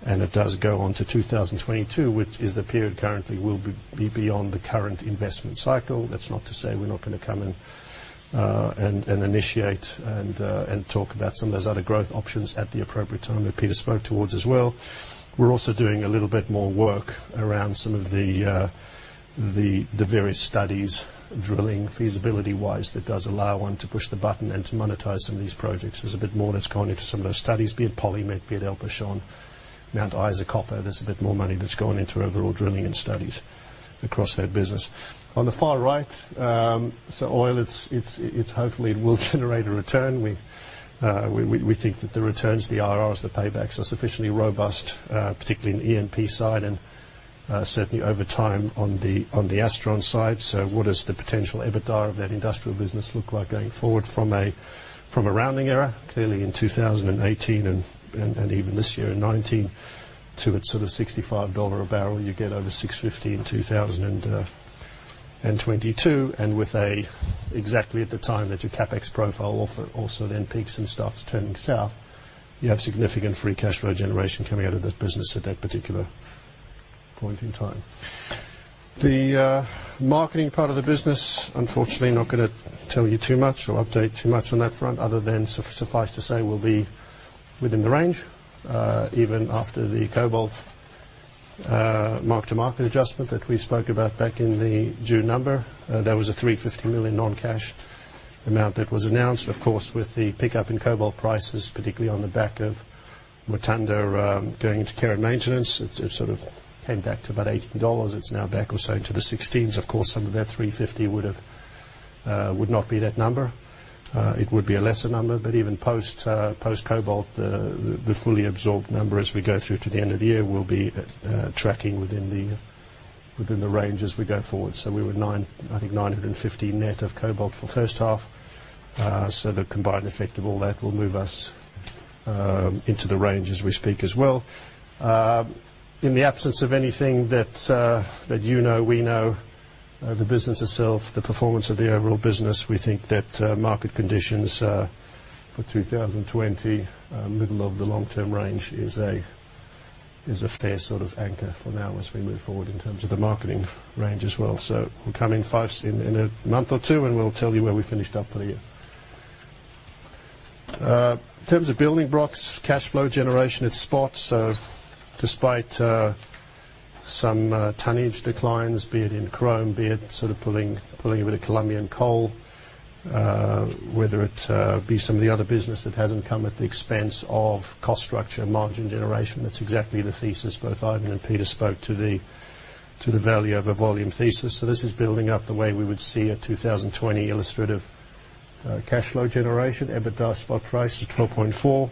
D: and it does go on to 2022, which is the period currently will be beyond the current investment cycle. That's not to say we're not going to come and initiate and talk about some of those other growth options at the appropriate time that Peter spoke towards as well. We're also doing a little bit more work around some of the various studies, drilling feasibility-wise, that does allow one to push the button and to monetize some of these projects. There's a bit more that's gone into some of those studies, be it PolyMet, be it El Pachón, Mount Isa Copper. There's a bit more money that's gone into overall drilling and studies across that business. On the far right, oil, hopefully it will generate a return. We think that the returns, the RRs, the paybacks are sufficiently robust, particularly in the E&P side and certainly over time on the Astron side. What does the potential EBITDA of that industrial business look like going forward from a rounding error? Clearly in 2018 and even this year in 2019, to at sort of $65 a barrel, you get over $650 in 2022, and with a exactly at the time that your CapEx profile also then peaks and starts turning south, you have significant free cash flow generation coming out of that business at that particular point in time. The marketing part of the business, unfortunately, not going to tell you too much or update too much on that front other than suffice to say, we'll be within the range, even after the cobalt mark-to-market adjustment that we spoke about back in the June number. That was a $350 million non-cash amount that was announced. Of course, with the pickup in cobalt prices, particularly on the back of Mutanda going into care and maintenance, it sort of came back to about $18. It's now back also into the 16s. Some of that $350 would not be that number. It would be a lesser number. Even post-cobalt, the fully absorbed number as we go through to the end of the year will be tracking within the range as we go forward. We were nine, I think $950 net of cobalt for the first half. The combined effect of all that will move us into the range as we speak as well. In the absence of anything that you know we know, the business itself, the performance of the overall business, we think that market conditions for 2020, middle of the long-term range is a fair sort of anchor for now as we move forward in terms of the marketing range as well. We'll come in a month or two, and we'll tell you where we finished up for the year. In terms of building blocks, cash flow generation at spot. Despite some tonnage declines, be it in chrome, be it sort of pulling a bit of Colombian coal, whether it be some of the other business that hasn't come at the expense of cost structure and margin generation. That's exactly the thesis both Ivan and Peter spoke to the value of a volume thesis. This is building up the way we would see a 2020 illustrative cash flow generation. EBITDA spot price is $12.4,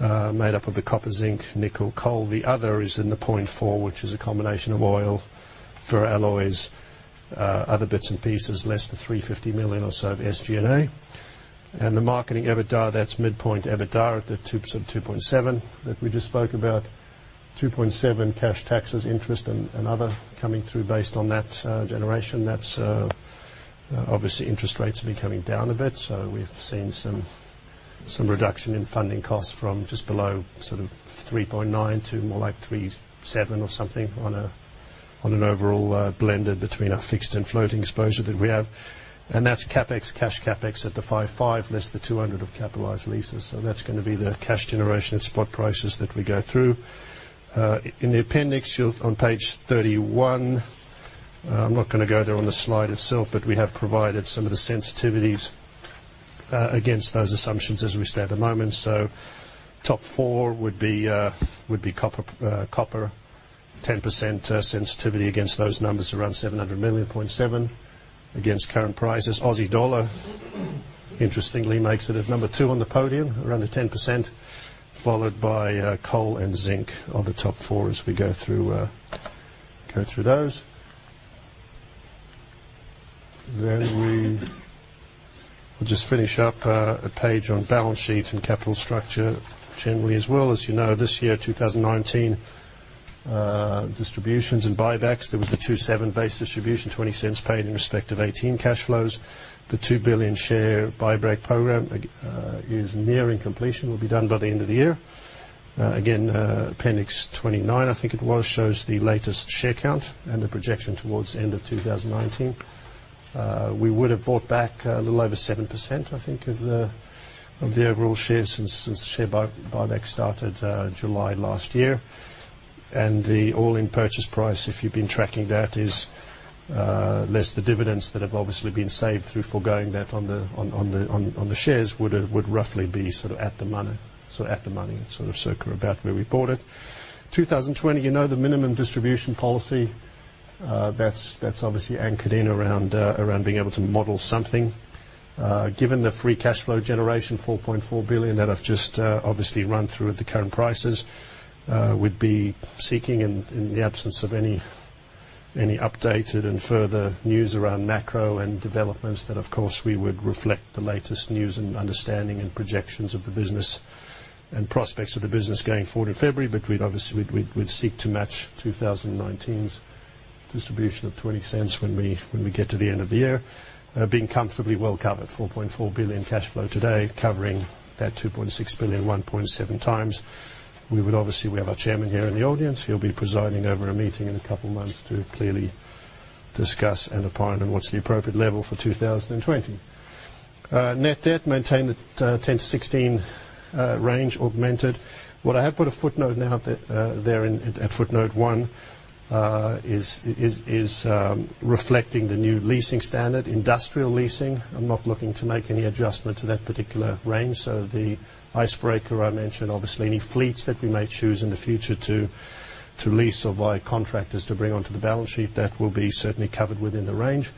D: made up of the copper, zinc, nickel, coal. The other is in the $0.4, which is a combination of oil, ferroalloys, other bits and pieces, less the $350 million or so of SG&A. The marketing EBITDA, that's midpoint EBITDA at the sort of $2.7 that we just spoke about. $2.7 cash taxes, interest, and other coming through based on that generation. Obviously, interest rates have been coming down a bit. We've seen some reduction in funding costs from just below sort of 3.9 to more like 3.7 or something on an overall blended between our fixed and floating exposure that we have. That's CapEx, cash CapEx at the $5.5 less the $200 of capitalized leases. That's going to be the cash generation at spot prices that we go through. In the appendix on page 31, I'm not going to go there on the slide itself, but we have provided some of the sensitivities against those assumptions as we stand at the moment. Top four would be copper, 10% sensitivity against those numbers, around $700 million $0.7 against current prices. AUD interestingly makes it at number two on the podium, around the 10%, followed by coal and zinc are the top four as we go through those. We will just finish up a Page on balance sheet and capital structure generally as well. As you know, this year, 2019, distributions and buybacks, there was the $2.7 base distribution, $0.20 paid in respect of 2018 cash flows. The $2 billion share buyback program is nearing completion, will be done by the end of the year. Again, Appendix 29, I think it was, shows the latest share count and the projection towards the end of 2019. We would have bought back a little over 7%, I think, of the overall shares since the share buyback started July last year. The all-in purchase price, if you've been tracking that, is less the dividends that have obviously been saved through foregoing that on the shares would roughly be sort of at the money, sort of circa about where we bought it. 2020, you know the minimum distribution policy, that's obviously anchored in around being able to model something. Given the free cash flow generation, $4.4 billion, that I've just obviously run through at the current prices, we'd be seeking and in the absence of any updated and further news around macro and developments that, of course, we would reflect the latest news and understanding and projections of the business and prospects of the business going forward in February. We'd obviously seek to match 2019's distribution of $0.20 when we get to the end of the year, being comfortably well covered, $4.4 billion cash flow today covering that $2.6 billion, 1.7 times. We have our chairman here in the audience. He'll be presiding over a meeting in a couple of months to clearly discuss and opine on what's the appropriate level for 2020. Net debt maintained at $10 billion-$16 billion range augmented. I have put a footnote there at footnote one, is reflecting the new leasing standard, industrial leasing. I am not looking to make any adjustment to that particular range. The icebreaker I mentioned, obviously, any fleets that we may choose in the future to lease or via contractors to bring onto the balance sheet, that will be certainly covered within the range.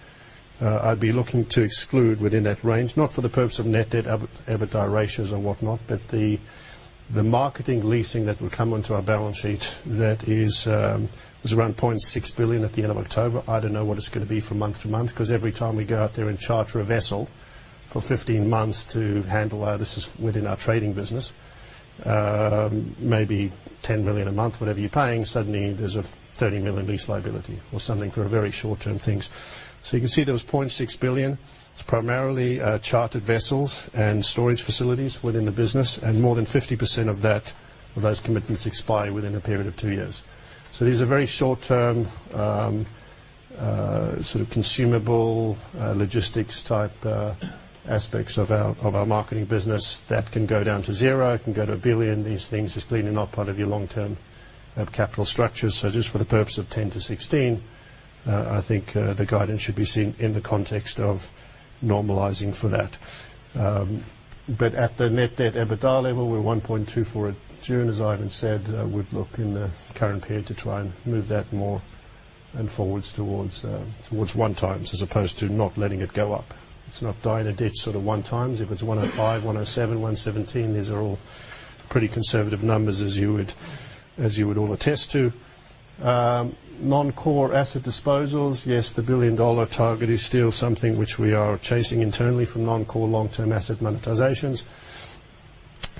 D: I would be looking to exclude within that range, not for the purpose of net debt, EBITDA ratios and whatnot, but the marketing leasing that will come onto our balance sheet that is around $0.6 billion at the end of October. I do not know what it is going to be from month to month because every time we go out there and charter a vessel for 15 months to handle. This is within our trading business. Maybe $10 million a month, whatever you're paying, suddenly there's a $30 million lease liability or something for very short-term things. You can see there was $0.6 billion. It's primarily chartered vessels and storage facilities within the business, and more than 50% of those commitments expire within a period of two years. These are very short-term, sort of consumable, logistics type aspects of our marketing business that can go down to zero. It can go to $1 billion. These things is clearly not part of your long-term capital structure. Just for the purpose of 10-16, I think, the guidance should be seen in the context of normalizing for that. At the net debt EBITDA level, we're 1.24 at June. As Ivan said, we'd look in the current period to try and move that more and forwards towards one times as opposed to not letting it go up. It's not die in a ditch sort of one times. If it's 105, 107, 117, these are all pretty conservative numbers as you would all attest to. Non-core asset disposals. Yes, the billion-dollar target is still something which we are chasing internally from non-core long-term asset monetizations.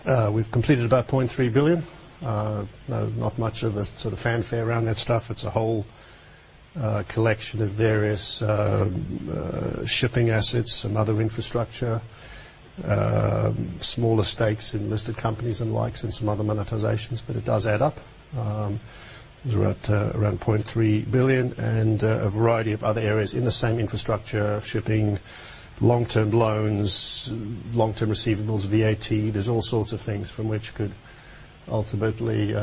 D: We've completed about $0.3 billion. Not much of a sort of fanfare around that stuff. It's a whole collection of various shipping assets and other infrastructure, smaller stakes in listed companies and likes and some other monetizations, but it does add up. It was around $0.3 billion and a variety of other areas in the same infrastructure, shipping, long-term loans, long-term receivables, VAT. There's all sorts of things from which could ultimately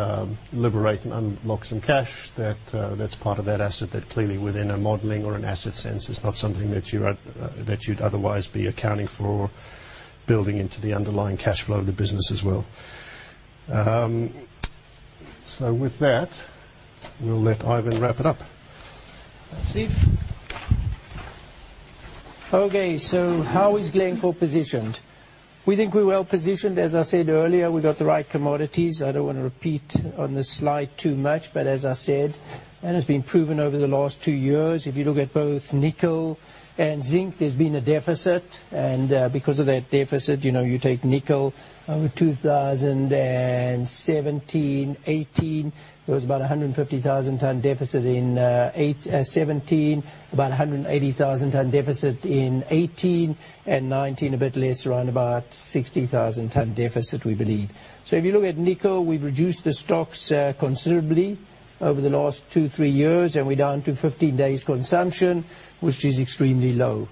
D: liberate and unlock some cash that's part of that asset that clearly within a modeling or an asset sense is not something that you'd otherwise be accounting for building into the underlying cash flow of the business as well. With that, we'll let Ivan wrap it up.
B: Thanks, Steve. How is Glencore positioned? We think we're well positioned. As I said earlier, we got the right commodities. I don't want to repeat on this slide too much. As I said, and it's been proven over the last two years, if you look at both nickel and zinc, there's been a deficit. Because of that deficit, you take nickel over 2017, 2018, there was about 150,000 ton deficit in 2017, about 180,000 ton deficit in 2018. 2019, a bit less, around about 60,000 ton deficit, we believe. If you look at nickel, we've reduced the stocks considerably over the last two, three years, and we're down to 15 days consumption, which is extremely low.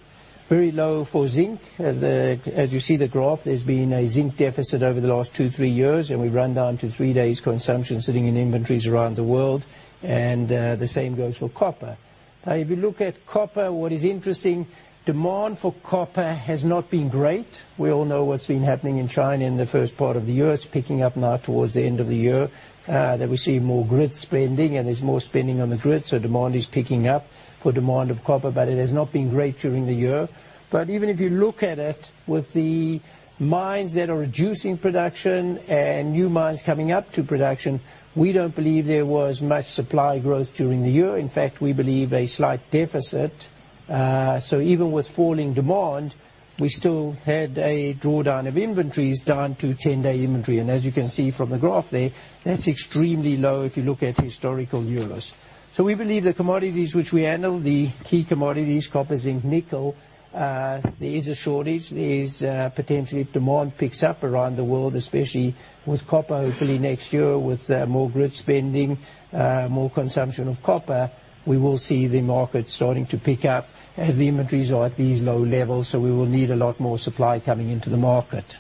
B: Very low for zinc. As you see the graph, there's been a zinc deficit over the last two, three years, and we've run down to three days consumption sitting in inventories around the world. The same goes for copper. Now, if you look at copper, what is interesting, demand for copper has not been great. We all know what's been happening in China in the first part of the year. It's picking up now towards the end of the year, that we see more grid spending and there's more spending on the grid, so demand is picking up for demand of copper, but it has not been great during the year. Even if you look at it with the mines that are reducing production and new mines coming up to production, we don't believe there was much supply growth during the year. In fact, we believe a slight deficit. Even with falling demand, we still had a drawdown of inventories down to 10-day inventory. As you can see from the graph there, that's extremely low if you look at historical years. We believe the commodities which we handle, the key commodities, copper, zinc, nickel, there is a shortage. There is potentially if demand picks up around the world, especially with copper, hopefully next year with more grid spending, more consumption of copper, we will see the market starting to pick up as the inventories are at these low levels. We will need a lot more supply coming into the market.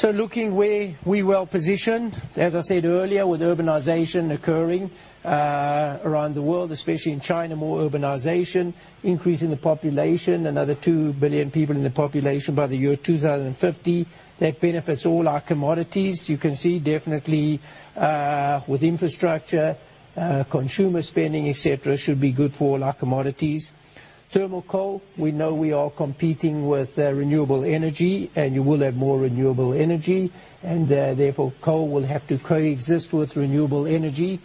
B: Looking where we're well-positioned, as I said earlier, with urbanization occurring around the world, especially in China, more urbanization, increase in the population, another 2 billion people in the population by the year 2050, that benefits all our commodities. You can see definitely with infrastructure, consumer spending, et cetera, should be good for all our commodities. Thermal coal, we know we are competing with renewable energy you will have more renewable energy and therefore coal will have to coexist with renewable energy,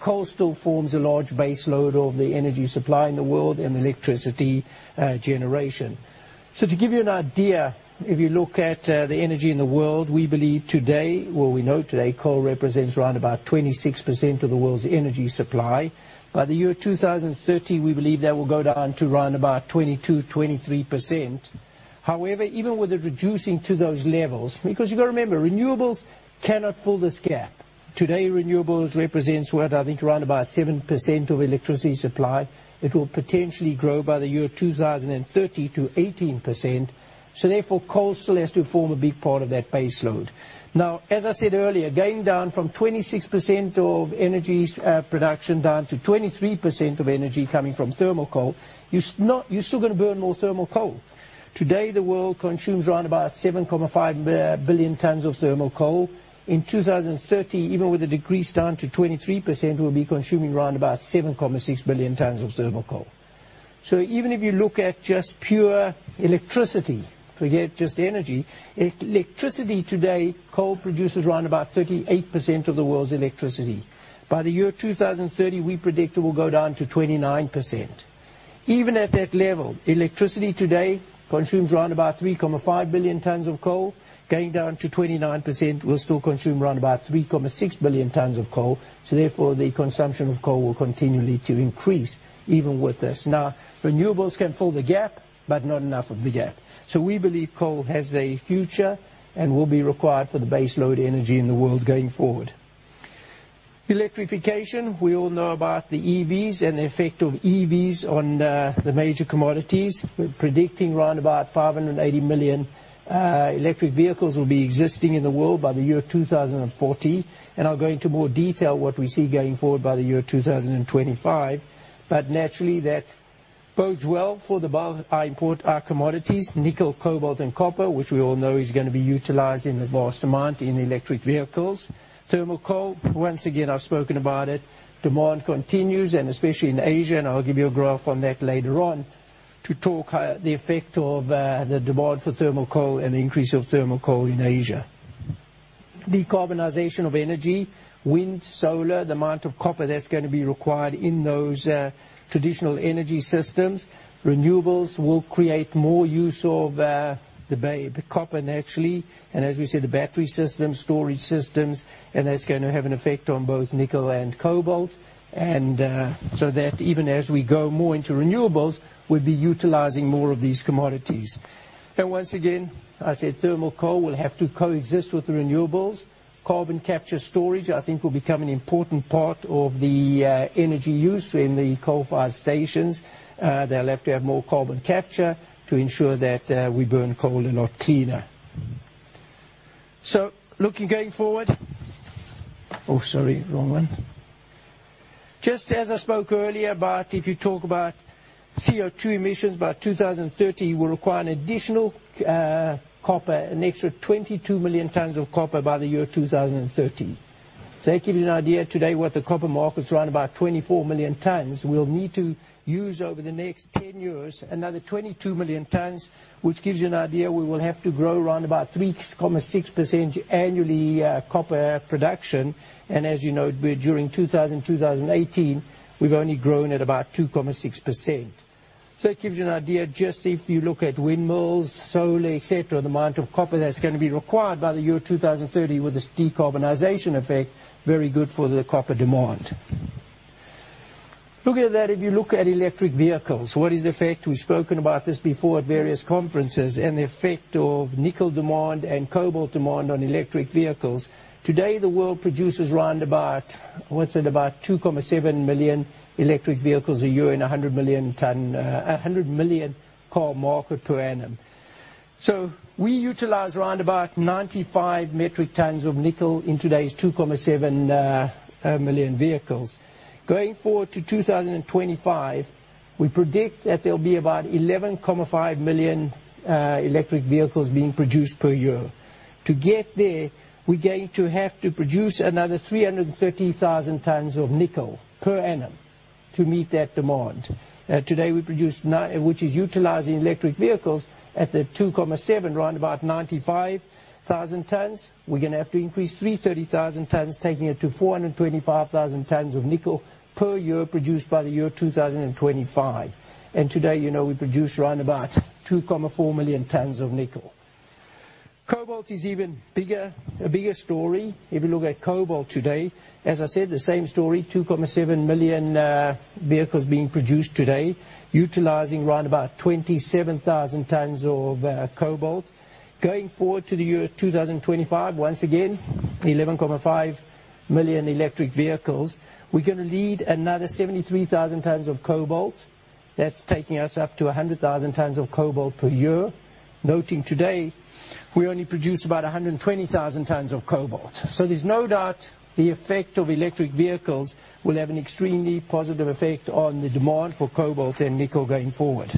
B: coal still forms a large base load of the energy supply in the world and electricity generation. To give you an idea, if you look at the energy in the world, we believe today, well we know today coal represents around about 26% of the world's energy supply. By the year 2030, we believe that will go down to around about 22%-23%. Even with it reducing to those levels, because you've got to remember, renewables cannot fill this gap. Today renewables represents what I think around about 7% of electricity supply. It will potentially grow by the year 2030 to 18%. Therefore coal still has to form a big part of that base load. As I said earlier, going down from 26% of energy production down to 23% of energy coming from thermal coal, you're still going to burn more thermal coal. Today the world consumes around about 7.5 billion tons of thermal coal. In 2030, even with a decrease down to 23%, we'll be consuming around about 7.6 billion tons of thermal coal. Even if you look at just pure electricity, forget just energy, electricity today coal produces around about 38% of the world's electricity. By the year 2030, we predict it will go down to 29%. Even at that level, electricity today consumes around about 3.5 billion tons of coal. Going down to 29%, we'll still consume around about 3.6 billion tons of coal. Therefore the consumption of coal will continue to increase even with this. Now renewables can fill the gap, but not enough of the gap. We believe coal has a future and will be required for the base load energy in the world going forward. Electrification. We all know about the EVs and the effect of EVs on the major commodities. We're predicting around about 580 million electric vehicles will be existing in the world by the year 2040 and I'll go into more detail what we see going forward by the year 2025. Naturally that bodes well for above our commodities, nickel, cobalt and copper, which we all know is going to be utilized in vast amount in electric vehicles. Thermal coal, once again I've spoken about it, demand continues and especially in Asia and I'll give you a graph on that later on to talk the effect of the demand for thermal coal and the increase of thermal coal in Asia. Decarbonization of energy, wind, solar, the amount of copper that's going to be required in those traditional energy systems. Renewables will create more use of the copper naturally and as we said the battery systems, storage systems and that's going to have an effect on both nickel and cobalt and so that even as we go more into renewables we'll be utilizing more of these commodities. Once again, I said thermal coal will have to coexist with renewables. Carbon capture storage I think will become an important part of the energy use in the coal-fired stations. They'll have to have more carbon capture to ensure that we burn coal a lot cleaner. Looking going forward. Oh sorry, wrong one. Just as I spoke earlier about if you talk about CO2 emissions by 2030 will require an additional copper, an extra 22 million tons of copper by the year 2030. That gives you an idea today what the copper market's around about 24 million tons. We'll need to use over the next 10 years another 22 million tons which gives you an idea we will have to grow around about 3.6% annually copper production and as you know during 2000, 2018 we've only grown at about 2.6%. It gives you an idea just if you look at windmills, solar, et cetera, the amount of copper that's going to be required by the year 2030 with this decarbonization effect, very good for the copper demand. Looking at that if you look at electric vehicles, what is the effect? We've spoken about this before at various conferences and the effect of nickel demand and cobalt demand on electric vehicles. Today the world produces around about, what's it about 2.7 million electric vehicles a year in 100 million car market per annum. We utilize around about 95 metric tons of nickel in today's 2.7 million vehicles. Going forward to 2025 we predict that there'll be about 11.5 million electric vehicles being produced per year. To get there we're going to have to produce another 330,000 tons of nickel per annum to meet that demand. Today we produce, which is utilized in electric vehicles at the 2.7 round about 95,000 tons. We're going to have to increase 330,000 tons taking it to 425,000 tons of nickel per year produced by the year 2025. Today you know we produce around about 2.4 million tons of nickel. Cobalt is even a bigger story. If you look at cobalt today, as I said, the same story, 2.7 million vehicles being produced today utilizing around about 27,000 tons of cobalt. Going forward to the year 2025, once again, 11.5 million electric vehicles. We're going to need another 73,000 tons of cobalt. That's taking us up to 100,000 tons of cobalt per year. Noting today, we only produce about 120,000 tons of cobalt. There's no doubt the effect of electric vehicles will have an extremely positive effect on the demand for cobalt and nickel going forward.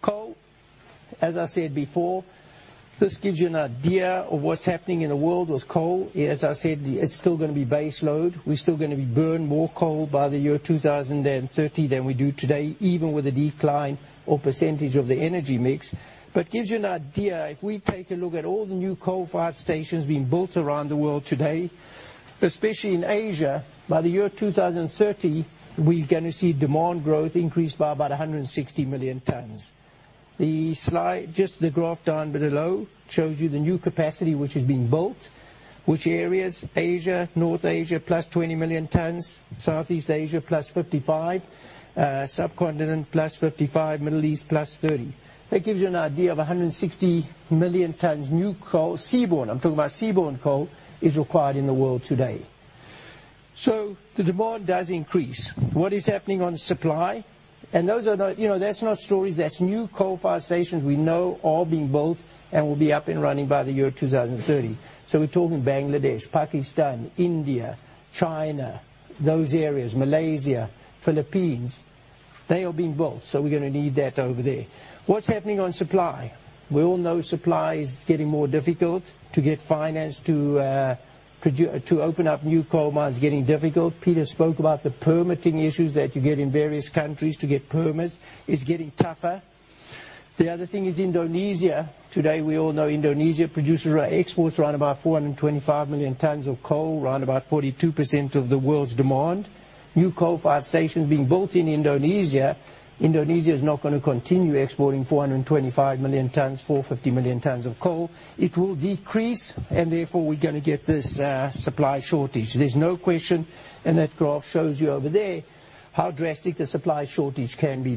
B: Coal, as I said before, this gives you an idea of what's happening in the world with coal. As I said, it's still going to be base load. We're still going to be burning more coal by the year 2030 than we do today, even with a decline or percentage of the energy mix. It gives you an idea, if we take a look at all the new coal-fired stations being built around the world today, especially in Asia, by the year 2030, we're going to see demand growth increase by about 160 million tons. Just the graph down below shows you the new capacity which is being built, which areas, Asia, North Asia, +20 million tons, Southeast Asia +55, Subcontinent +55, Middle East +30. That gives you an idea of 160 million tons new coal, seaborne, I'm talking about seaborne coal, is required in the world today. The demand does increase. What is happening on supply? That's not stories, that's new coal-fired stations we know are being built and will be up and running by the year 2030. We're talking Bangladesh, Pakistan, India, China, those areas, Malaysia, Philippines, they are being built, so we're going to need that over there. What's happening on supply? We all know supply is getting more difficult to get finance to open up new coal mines is getting difficult. Peter spoke about the permitting issues that you get in various countries to get permits. It's getting tougher. The other thing is Indonesia. Today, we all know Indonesia exports around about 425 million tons of coal, around about 42% of the world's demand. New coal-fired stations being built in Indonesia. Indonesia is not going to continue exporting 425 million tons, 450 million tons of coal. It will decrease, and therefore we're going to get this supply shortage. There's no question, and that graph shows you over there how drastic the supply shortage can be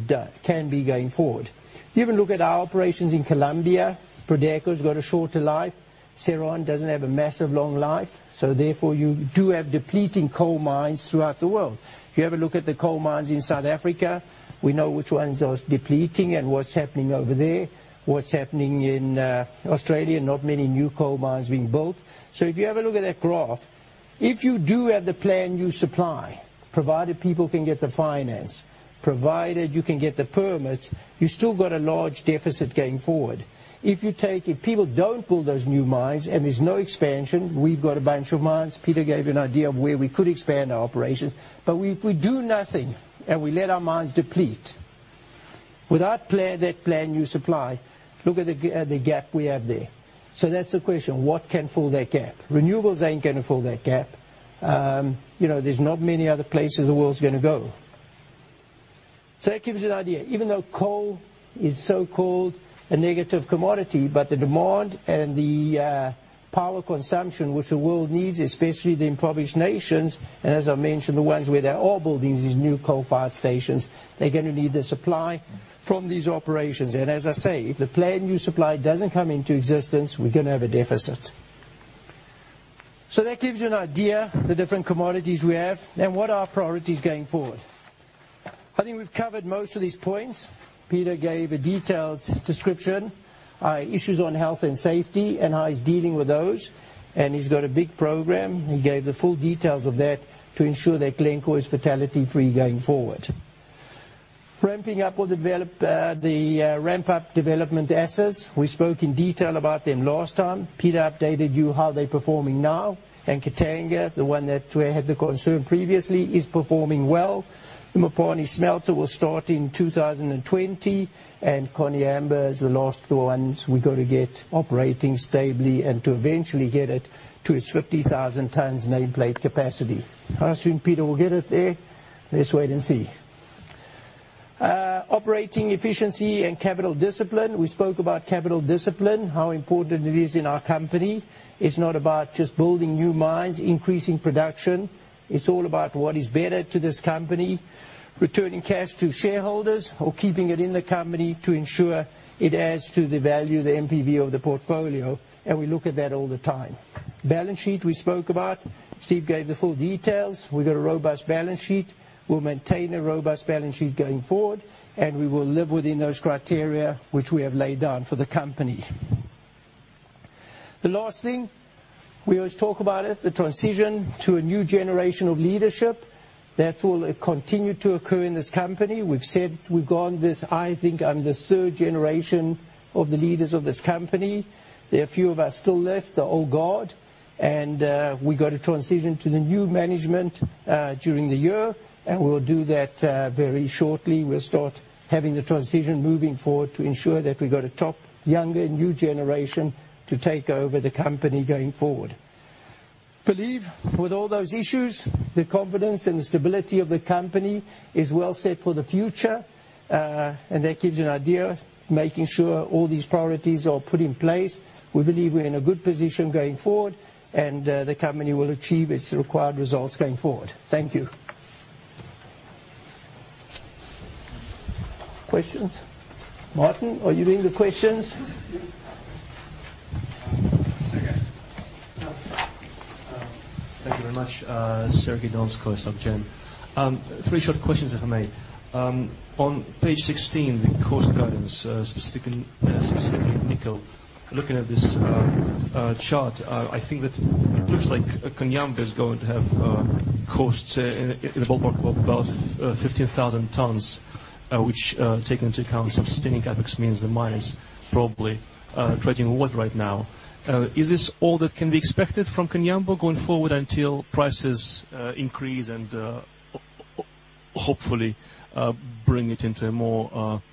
B: going forward. If you even look at our operations in Colombia, Prodeco has got a shorter life. Cerrejón doesn't have a massive long life, so therefore you do have depleting coal mines throughout the world. If you have a look at the coal mines in South Africa, we know which ones are depleting and what's happening over there, what's happening in Australia. Not many new coal mines being built. If you have a look at that graph, if you do have the planned new supply, provided people can get the finance, provided you can get the permits, you still got a large deficit going forward. If people don't build those new mines and there's no expansion, we've got a bunch of mines, Peter gave you an idea of where we could expand our operations, but if we do nothing and we let our mines deplete without that planned new supply, look at the gap we have there. That's the question, what can fill that gap? Renewables aren't going to fill that gap. There's not many other places the world's going to go. That gives you an idea. Even though coal is so-called a negative commodity, the demand and the power consumption which the world needs, especially the impoverished nations, as I mentioned, the ones where they are building these new coal-fired stations, they're going to need the supply from these operations. As I say, if the planned new supply doesn't come into existence, we're going to have a deficit. That gives you an idea of the different commodities we have and what our priority is going forward. I think we've covered most of these points. Peter gave a detailed description, issues on health and safety and how he's dealing with those, and he's got a big program. He gave the full details of that to ensure that Glencore is fatality-free going forward. Ramping up or the ramp-up development assets. We spoke in detail about them last time. Peter updated you how they're performing now. Katanga, the one that we had the concern previously, is performing well. Mopani Smelter will start in 2020. Koniambo is the last ones we got to get operating stably and to eventually get it to its 50,000 tons nameplate capacity. How soon, Peter, we'll get it there? Let's wait and see. Operating efficiency and capital discipline. We spoke about capital discipline, how important it is in our company. It's not about just building new mines, increasing production. It's all about what is better to this company, returning cash to shareholders or keeping it in the company to ensure it adds to the value, the NPV of the portfolio, we look at that all the time. Balance sheet we spoke about. Steve gave the full details. We got a robust balance sheet. We'll maintain a robust balance sheet going forward, and we will live within those criteria which we have laid down for the company. The last thing, we always talk about it, the transition to a new generation of leadership. That will continue to occur in this company. We've said we've gone this, I think I'm the third generation of the leaders of this company. There are a few of us still left, the old guard, and we got to transition to the new management during the year, and we'll do that very shortly. We'll start having the transition moving forward to ensure that we got a top younger, new generation to take over the company going forward. believe with all those issues, the confidence and the stability of the company is well set for the future, that gives you an idea, making sure all these priorities are put in place. We believe we're in a good position going forward. The company will achieve its required results going forward. Thank you. Questions? Martin, are you doing the questions?
A: Sergey.
E: Thank you very much. Sergey Donskoy, Sberbank CIB. Three short questions, if I may. On page 16, the cost guidance, specifically nickel. Looking at this chart, I think that it looks like Koniambo is going to have costs in the ballpark of about 15,000 tons, which taking into account sustaining CapEx means the mine is probably treading water right now. Is this all that can be expected from Koniambo going forward until prices increase and hopefully bring it into a more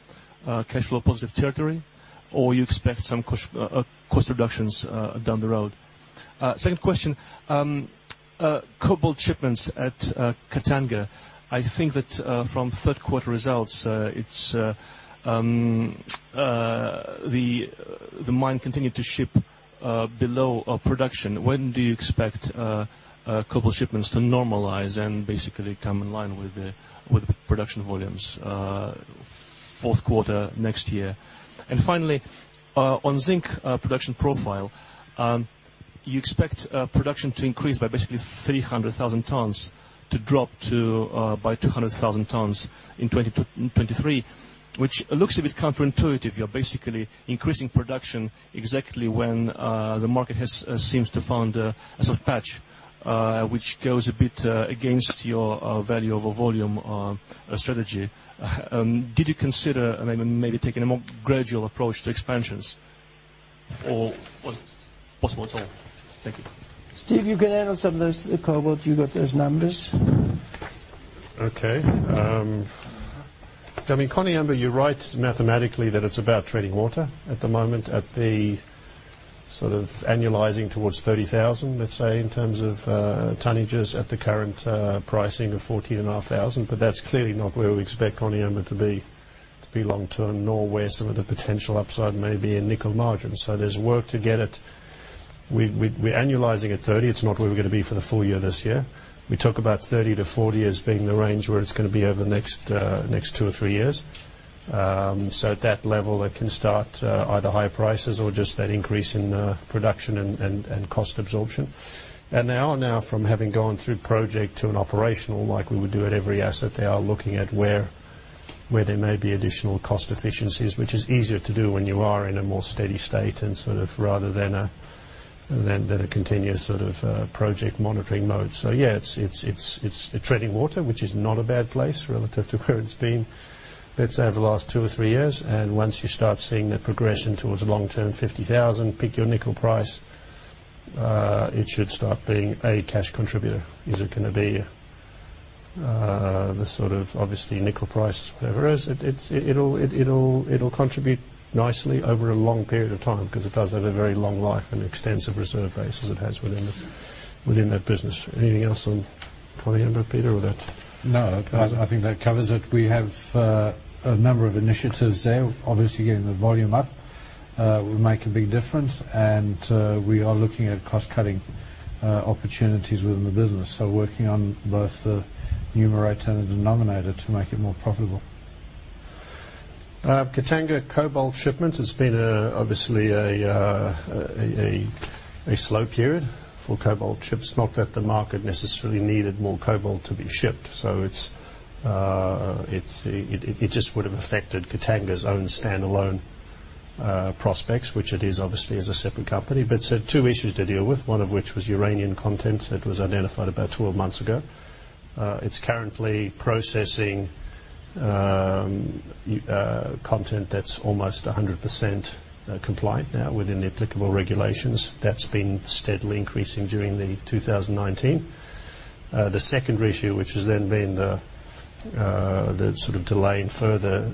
E: cash flow positive territory, or you expect some cost reductions down the road? Second question, cobalt shipments at Katanga. I think that from third quarter results, the mine continued to ship below production. When do you expect cobalt shipments to normalize and basically come in line with the production volumes, fourth quarter next year? Finally, on zinc production profile, you expect production to increase by basically 300,000 tons, to drop by 200,000 tons in 2023, which looks a bit counterintuitive. You're basically increasing production exactly when the market seems to have found a soft patch, which goes a bit against your value over volume strategy. Did you consider maybe taking a more gradual approach to expansions, or was it possible at all? Thank you.
B: Steve, you can handle some of those. The cobalt, you got those numbers.
D: Okay. I mean, Koniambo, you're right mathematically that it's about treading water at the moment at the sort of annualizing towards 30,000, let's say, in terms of tonnages at the current pricing of $14,500. That's clearly not where we expect Koniambo to be long term, nor where some of the potential upside may be in nickel margins. There's work to get it. We're annualizing at 30. It's not where we're going to be for the full year this year. We talk about 30-40 as being the range where it's going to be over the next two or three years. At that level, it can start either higher prices or just that increase in production and cost absorption. They are now from having gone through project to an operational like we would do at every asset. They are looking at where there may be additional cost efficiencies, which is easier to do when you are in a more steady state and sort of rather than a continuous sort of project monitoring mode. Yeah, it's treading water, which is not a bad place relative to where it's been, let's say, over the last two or three years. Once you start seeing that progression towards a long-term 50,000, pick your nickel price, it should start being a cash contributor. Is it going to be the sort of obviously nickel price, whatever it is? It'll contribute nicely over a long period of time because it does have a very long life and extensive reserve base as it has within that business. Anything else on Koniambo, Peter?
C: I think that covers it. We have a number of initiatives there. Obviously, getting the volume up will make a big difference, and we are looking at cost-cutting opportunities within the business, so working on both the numerator and the denominator to make it more profitable.
D: Katanga cobalt shipment has been obviously a slow period for cobalt ships. Not that the market necessarily needed more cobalt to be shipped. It just would have affected Katanga's own standalone prospects, which it is obviously as a separate company. Two issues to deal with, one of which was uranium content that was identified about 12 months ago. It's currently processing content that's almost 100% compliant now within the applicable regulations. That's been steadily increasing during 2019. The second issue, which has then been the sort of delay in further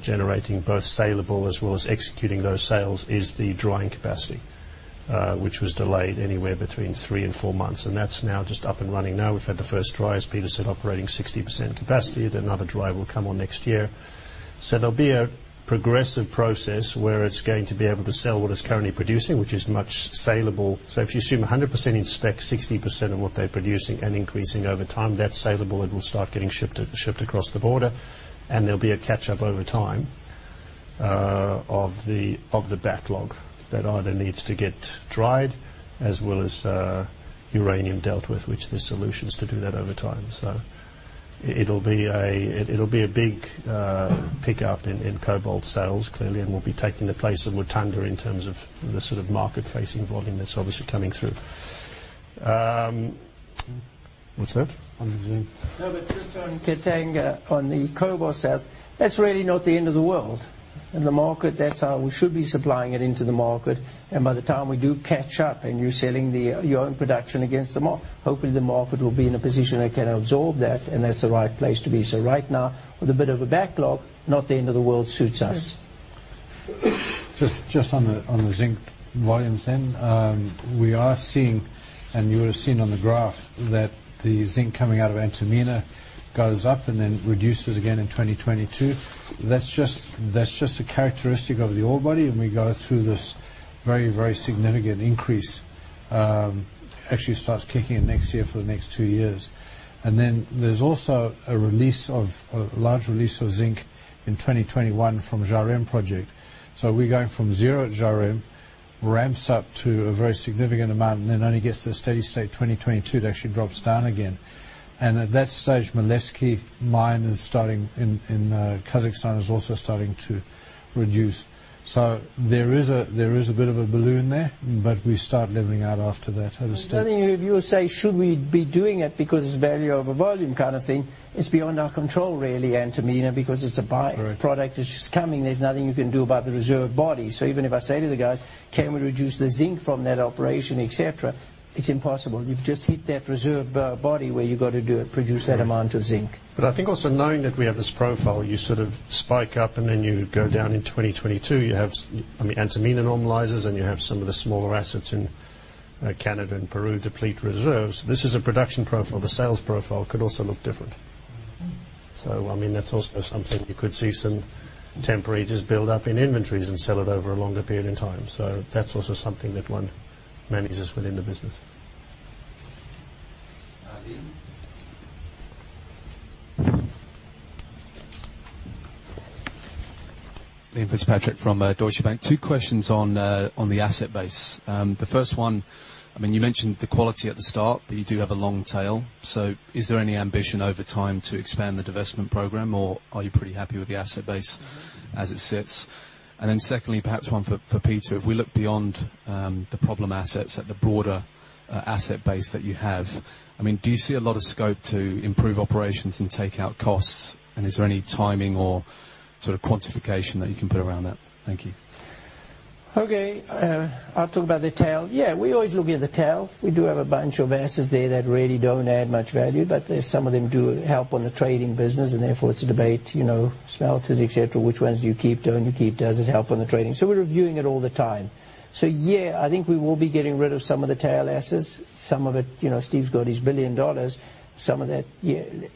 D: generating both saleable as well as executing those sales is the drying capacity, which was delayed anywhere between three and four months, and that's now just up and running. Now we've had the first dryers, Peter said, operating 60% capacity, then another dryer will come on next year. There'll be a progressive process where it's going to be able to sell what it's currently producing, which is much saleable. If you assume 100% in spec, 60% of what they're producing and increasing over time, that's saleable and will start getting shipped across the border, and there'll be a catch-up over time of the backlog that either needs to get dried as well as uranium dealt with, which there's solutions to do that over time. It'll be a big pickup in cobalt sales, clearly, and will be taking the place of Mutanda in terms of the sort of market-facing volume that's obviously coming through. What's that? On the Zoom.
B: Just on Katanga, on the cobalt sales, that's really not the end of the world. In the market, that's how we should be supplying it into the market. By the time we do catch up and you're selling your own production against the market, hopefully the market will be in a position that can absorb that, and that's the right place to be. Right now, with a bit of a backlog, not the end of the world suits us.
C: Just on the zinc volumes, we are seeing, and you would have seen on the graph, that the zinc coming out of Antamina goes up and then reduces again in 2022. That's just a characteristic of the ore body, and we go through this very significant increase. Actually starts kicking in next year for the next two years. There's also a large release of zinc in 2021 from Zhairem project. We're going from zero at Zhairem, ramps up to a very significant amount, then only gets to steady state 2022 to actually drops down again. At that stage, Maleevsky Mine in Kazakhstan is also starting to reduce. There is a bit of a balloon there, but we start leveling out after that at a steady.
B: Then if you were to say, "Should we be doing it because it's value over volume kind of thing?" It's beyond our control, really, Antamina, because it's a byproduct. Correct. It's just coming. There's nothing you can do about the reserve body. Even if I say to the guys, "Can we reduce the zinc from that operation, et cetera?" it's impossible. You've just hit that reserve body where you've got to do it, produce that amount of zinc.
C: I think also knowing that we have this profile, you sort of spike up and then you go down in 2022. You have Antamina normalizes, and you have some of the smaller assets in Canada and Peru deplete reserves. This is a production profile. The sales profile could also look different. That's also something you could see some temporary just build up in inventories and sell it over a longer period in time. That's also something that one manages within the business.
A: Liam?
F: Liam Fitzpatrick from Deutsche Bank. Two questions on the asset base. The first one, you mentioned the quality at the start, you do have a long tail. Is there any ambition over time to expand the divestment program, or are you pretty happy with the asset base as it sits? Then secondly, perhaps one for Peter. If we look beyond the problem assets at the broader asset base that you have, do you see a lot of scope to improve operations and take out costs, and is there any timing or sort of quantification that you can put around that? Thank you.
B: Okay. I'll talk about the tail. Yeah, we always look at the tail. We do have a bunch of assets there that really don't add much value, but some of them do help on the trading business, and therefore it's a debate, smelters, et cetera. Which ones do you keep, don't you keep? Does it help on the trading? We're reviewing it all the time. Yeah, I think we will be getting rid of some of the tail assets. Some of it, Steve's got his $1 billion.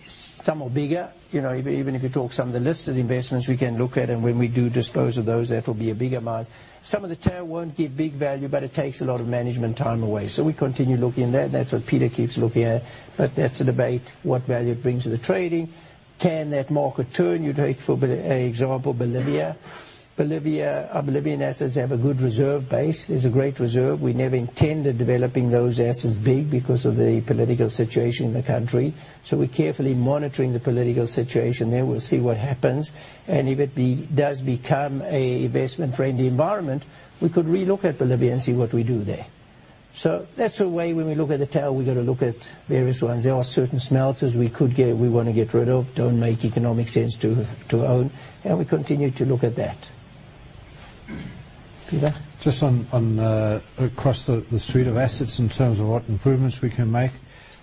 B: Some are bigger. Even if you talk some of the listed investments we can look at, and when we do dispose of those, that will be a bigger amount. Some of the tail won't give big value, but it takes a lot of management time away. We continue looking there. That's what Peter keeps looking at. That's a debate, what value it brings to the trading. Can that market turn? You take, for example, Bolivia. Our Bolivian assets have a good reserve base. There's a great reserve. We never intended developing those assets big because of the political situation in the country. We're carefully monitoring the political situation there. We'll see what happens. If it does become an investment-friendly environment, we could re-look at Bolivia and see what we do there. That's the way when we look at the tail, we've got to look at various ones. There are certain smelters we want to get rid of, don't make economic sense to own, and we continue to look at that. Peter?
C: Just across the suite of assets in terms of what improvements we can make.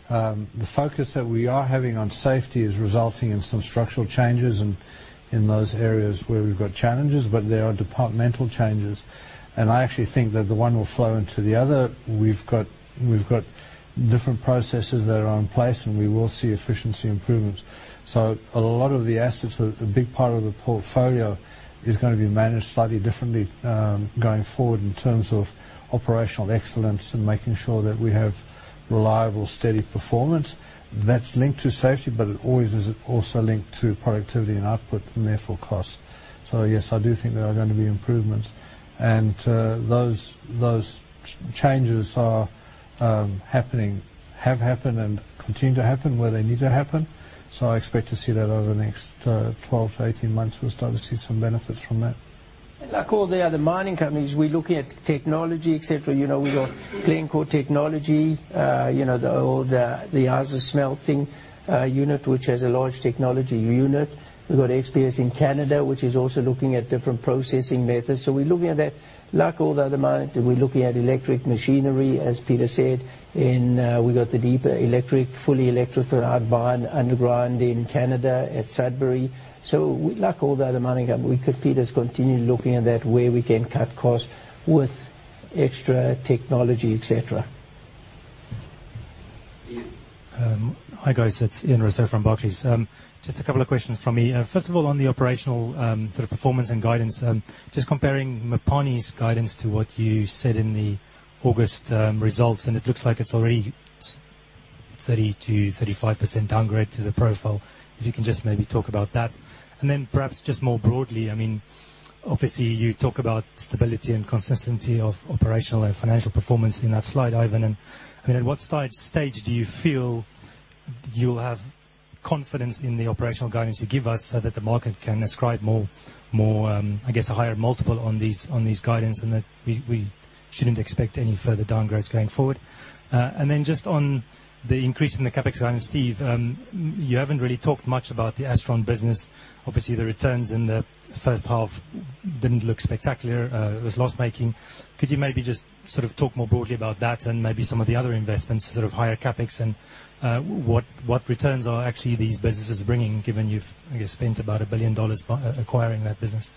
C: The focus that we are having on safety is resulting in some structural changes in those areas where we've got challenges. There are departmental changes, and I actually think that the one will flow into the other. We've got different processes that are in place, and we will see efficiency improvements. A lot of the assets, a big part of the portfolio is going to be managed slightly differently, going forward in terms of operational excellence and making sure that we have reliable, steady performance. That's linked to safety, but it always is also linked to productivity and output and therefore cost. Yes, I do think there are going to be improvements. Those changes are happening, have happened, and continue to happen where they need to happen. I expect to see that over the next 12 to 18 months, we'll start to see some benefits from that.
B: Like all the other mining companies, we're looking at technology, et cetera. We got Glencore Technology, the ISASMELT smelting unit, which has a large technology unit. We've got XPS in Canada, which is also looking at different processing methods. We're looking at that. Like all the other mining companies, we're looking at electric machinery, as Peter said. We got the deep electric, fully electro underground in Canada at Sudbury. Like all the other mining companies, Peter's continually looking at that, where we can cut costs with extra technology, et cetera.
A: Ian?
G: Hi, guys. It's Ian Rossouw from Barclays. Just a couple of questions from me. First of all, on the operational sort of performance and guidance, just comparing Mopani's guidance to what you said in the August results, it looks like it's already 30%-35% downgrade to the profile. If you can just maybe talk about that. Perhaps just more broadly, obviously you talk about stability and consistency of operational and financial performance in that slide, Ivan. At what stage do you feel you'll have confidence in the operational guidance you give us so that the market can ascribe more, I guess, a higher multiple on these guidance and that we shouldn't expect any further downgrades going forward? Just on the increase in the CapEx guidance, Steve, you haven't really talked much about the Astron business. Obviously, the returns in the first half didn't look spectacular. It was loss-making. Could you maybe just sort of talk more broadly about that and maybe some of the other investments, sort of higher CapEx and what returns are actually these businesses bringing, given you've, I guess, spent about $1 billion acquiring that business?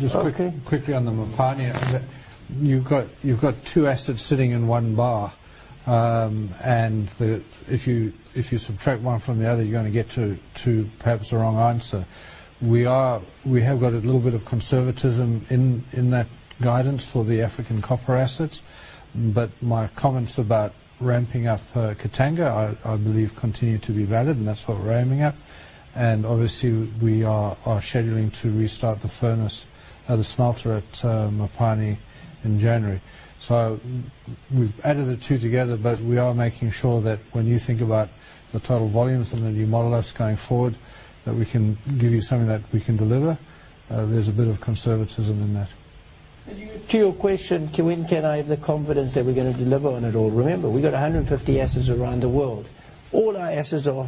C: Just quickly on the Mopani, you've got two assets sitting in one bar. If you subtract one from the other, you're going to get to perhaps the wrong answer. We have got a little bit of conservatism in that guidance for the African copper assets. My comments about ramping up Katanga, I believe continue to be valid. That's what we're aiming at. Obviously, we are scheduling to restart the furnace at the smelter at Mopani in January. We've added the two together. We are making sure that when you think about the total volumes and then you model us going forward, that we can give you something that we can deliver. There's a bit of conservatism in that.
B: To your question, when can I have the confidence that we're going to deliver on it all? Remember, we got 150 assets around the world. All our assets are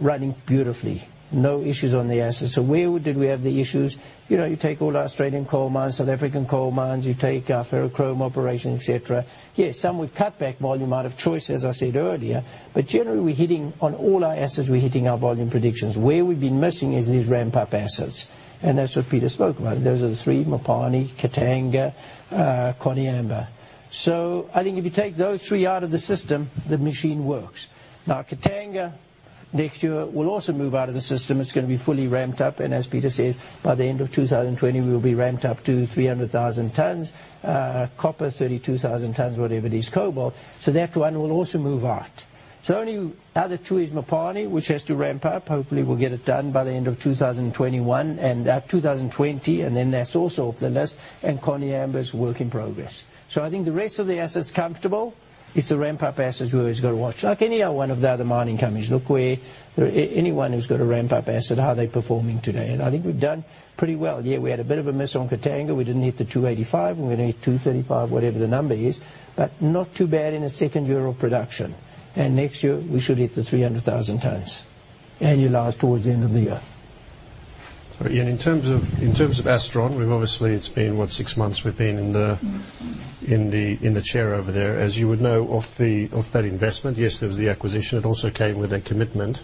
B: running beautifully. No issues on the assets. Where did we have the issues? You take all our Australian coal mines, South African coal mines, you take our ferrochrome operation, et cetera. Yes, some we've cut back volume out of choice, as I said earlier, but generally, on all our assets, we're hitting our volume predictions. Where we've been missing is these ramp-up assets, and that's what Peter spoke about. Those are the three, Mopani, Katanga, Koniambo. I think if you take those three out of the system, the machine works. Now, Katanga next year will also move out of the system. It's going to be fully ramped up. As Peter says, by the end of 2020, we will be ramped up to 300,000 tons, copper 32,000 tons, whatever it is, cobalt. That one will also move out. Only other two is Mopani, which has to ramp up. Hopefully, we'll get it done by the end of 2021 and 2020. That's also off the list. Koniambo is work in progress. I think the rest of the assets, comfortable. It's the ramp-up assets we always got to watch. Like any one of the other mining companies, look where anyone who's got a ramp-up asset, how are they performing today? I think we've done pretty well. Yeah, we had a bit of a miss on Katanga. We didn't hit the 285, and we hit 235, whatever the number is, but not too bad in a second year of production. Next year, we should hit the 300,000 tons annualized towards the end of the year.
D: Sorry, Ian, in terms of Astron, obviously it's been, what, six months we've been in the chair over there. As you would know, of that investment, yes, there was the acquisition. It also came with a commitment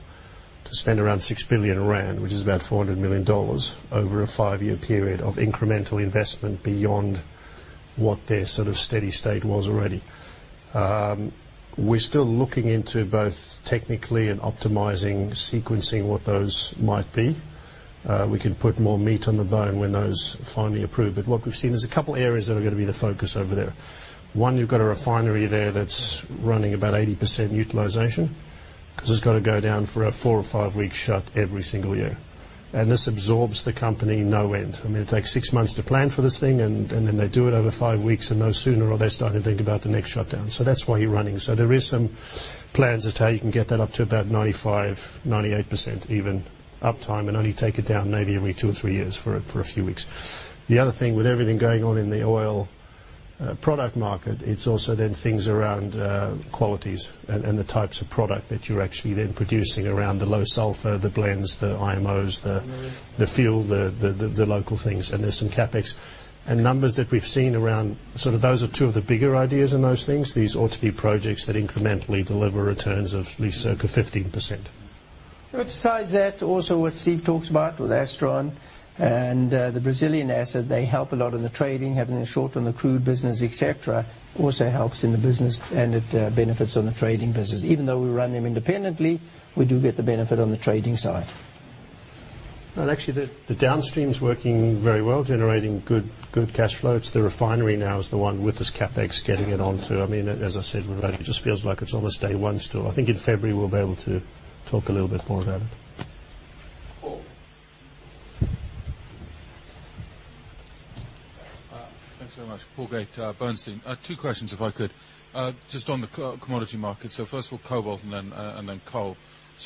D: to spend around 6 billion rand, which is about $400 million over a five-year period of incremental investment beyond what their steady state was already. We're still looking into both technically and optimizing, sequencing what those might be. We can put more meat on the bone when those finally approve. What we've seen, there's a couple areas that are going to be the focus over there. One, you've got a refinery there that's running about 80% utilization because it's got to go down for a four- or five-week shut every single year. This absorbs the company no end. It takes six months to plan for this thing, and then they do it over five weeks and no sooner they start to think about the shutdown. That's why you're running. There is some plans as to how you can get that up to about 95%-98% even uptime, and only take it down maybe every two or three years for a few weeks. The other thing, with everything going on in the oil product market, it's also then things around qualities and the types of product that you're actually then producing around the low sulfur, the blends, the IMOs, the fuel, the local things. There's some CapEx. Numbers that we've seen around, those are two of the bigger ideas in those things. These ought to be projects that incrementally deliver returns of at least circa 15%.
B: Besides that, also what Steve talks about with Astron and the Brazilian asset, they help a lot in the trading, having a short on the crude business, et cetera, also helps in the business, and it benefits on the trading business. Even though we run them independently, we do get the benefit on the trading side.
D: No, actually, the downstream's working very well, generating good cash flows. The refinery now is the one with this CapEx. As I said, it just feels like it's almost day one still. I think in February, we'll be able to talk a little bit more about it.
A: Paul.
H: Thanks very much. Paul Gait, Bernstein. Two questions, if I could. Just on the commodity market, first of all cobalt and then coal.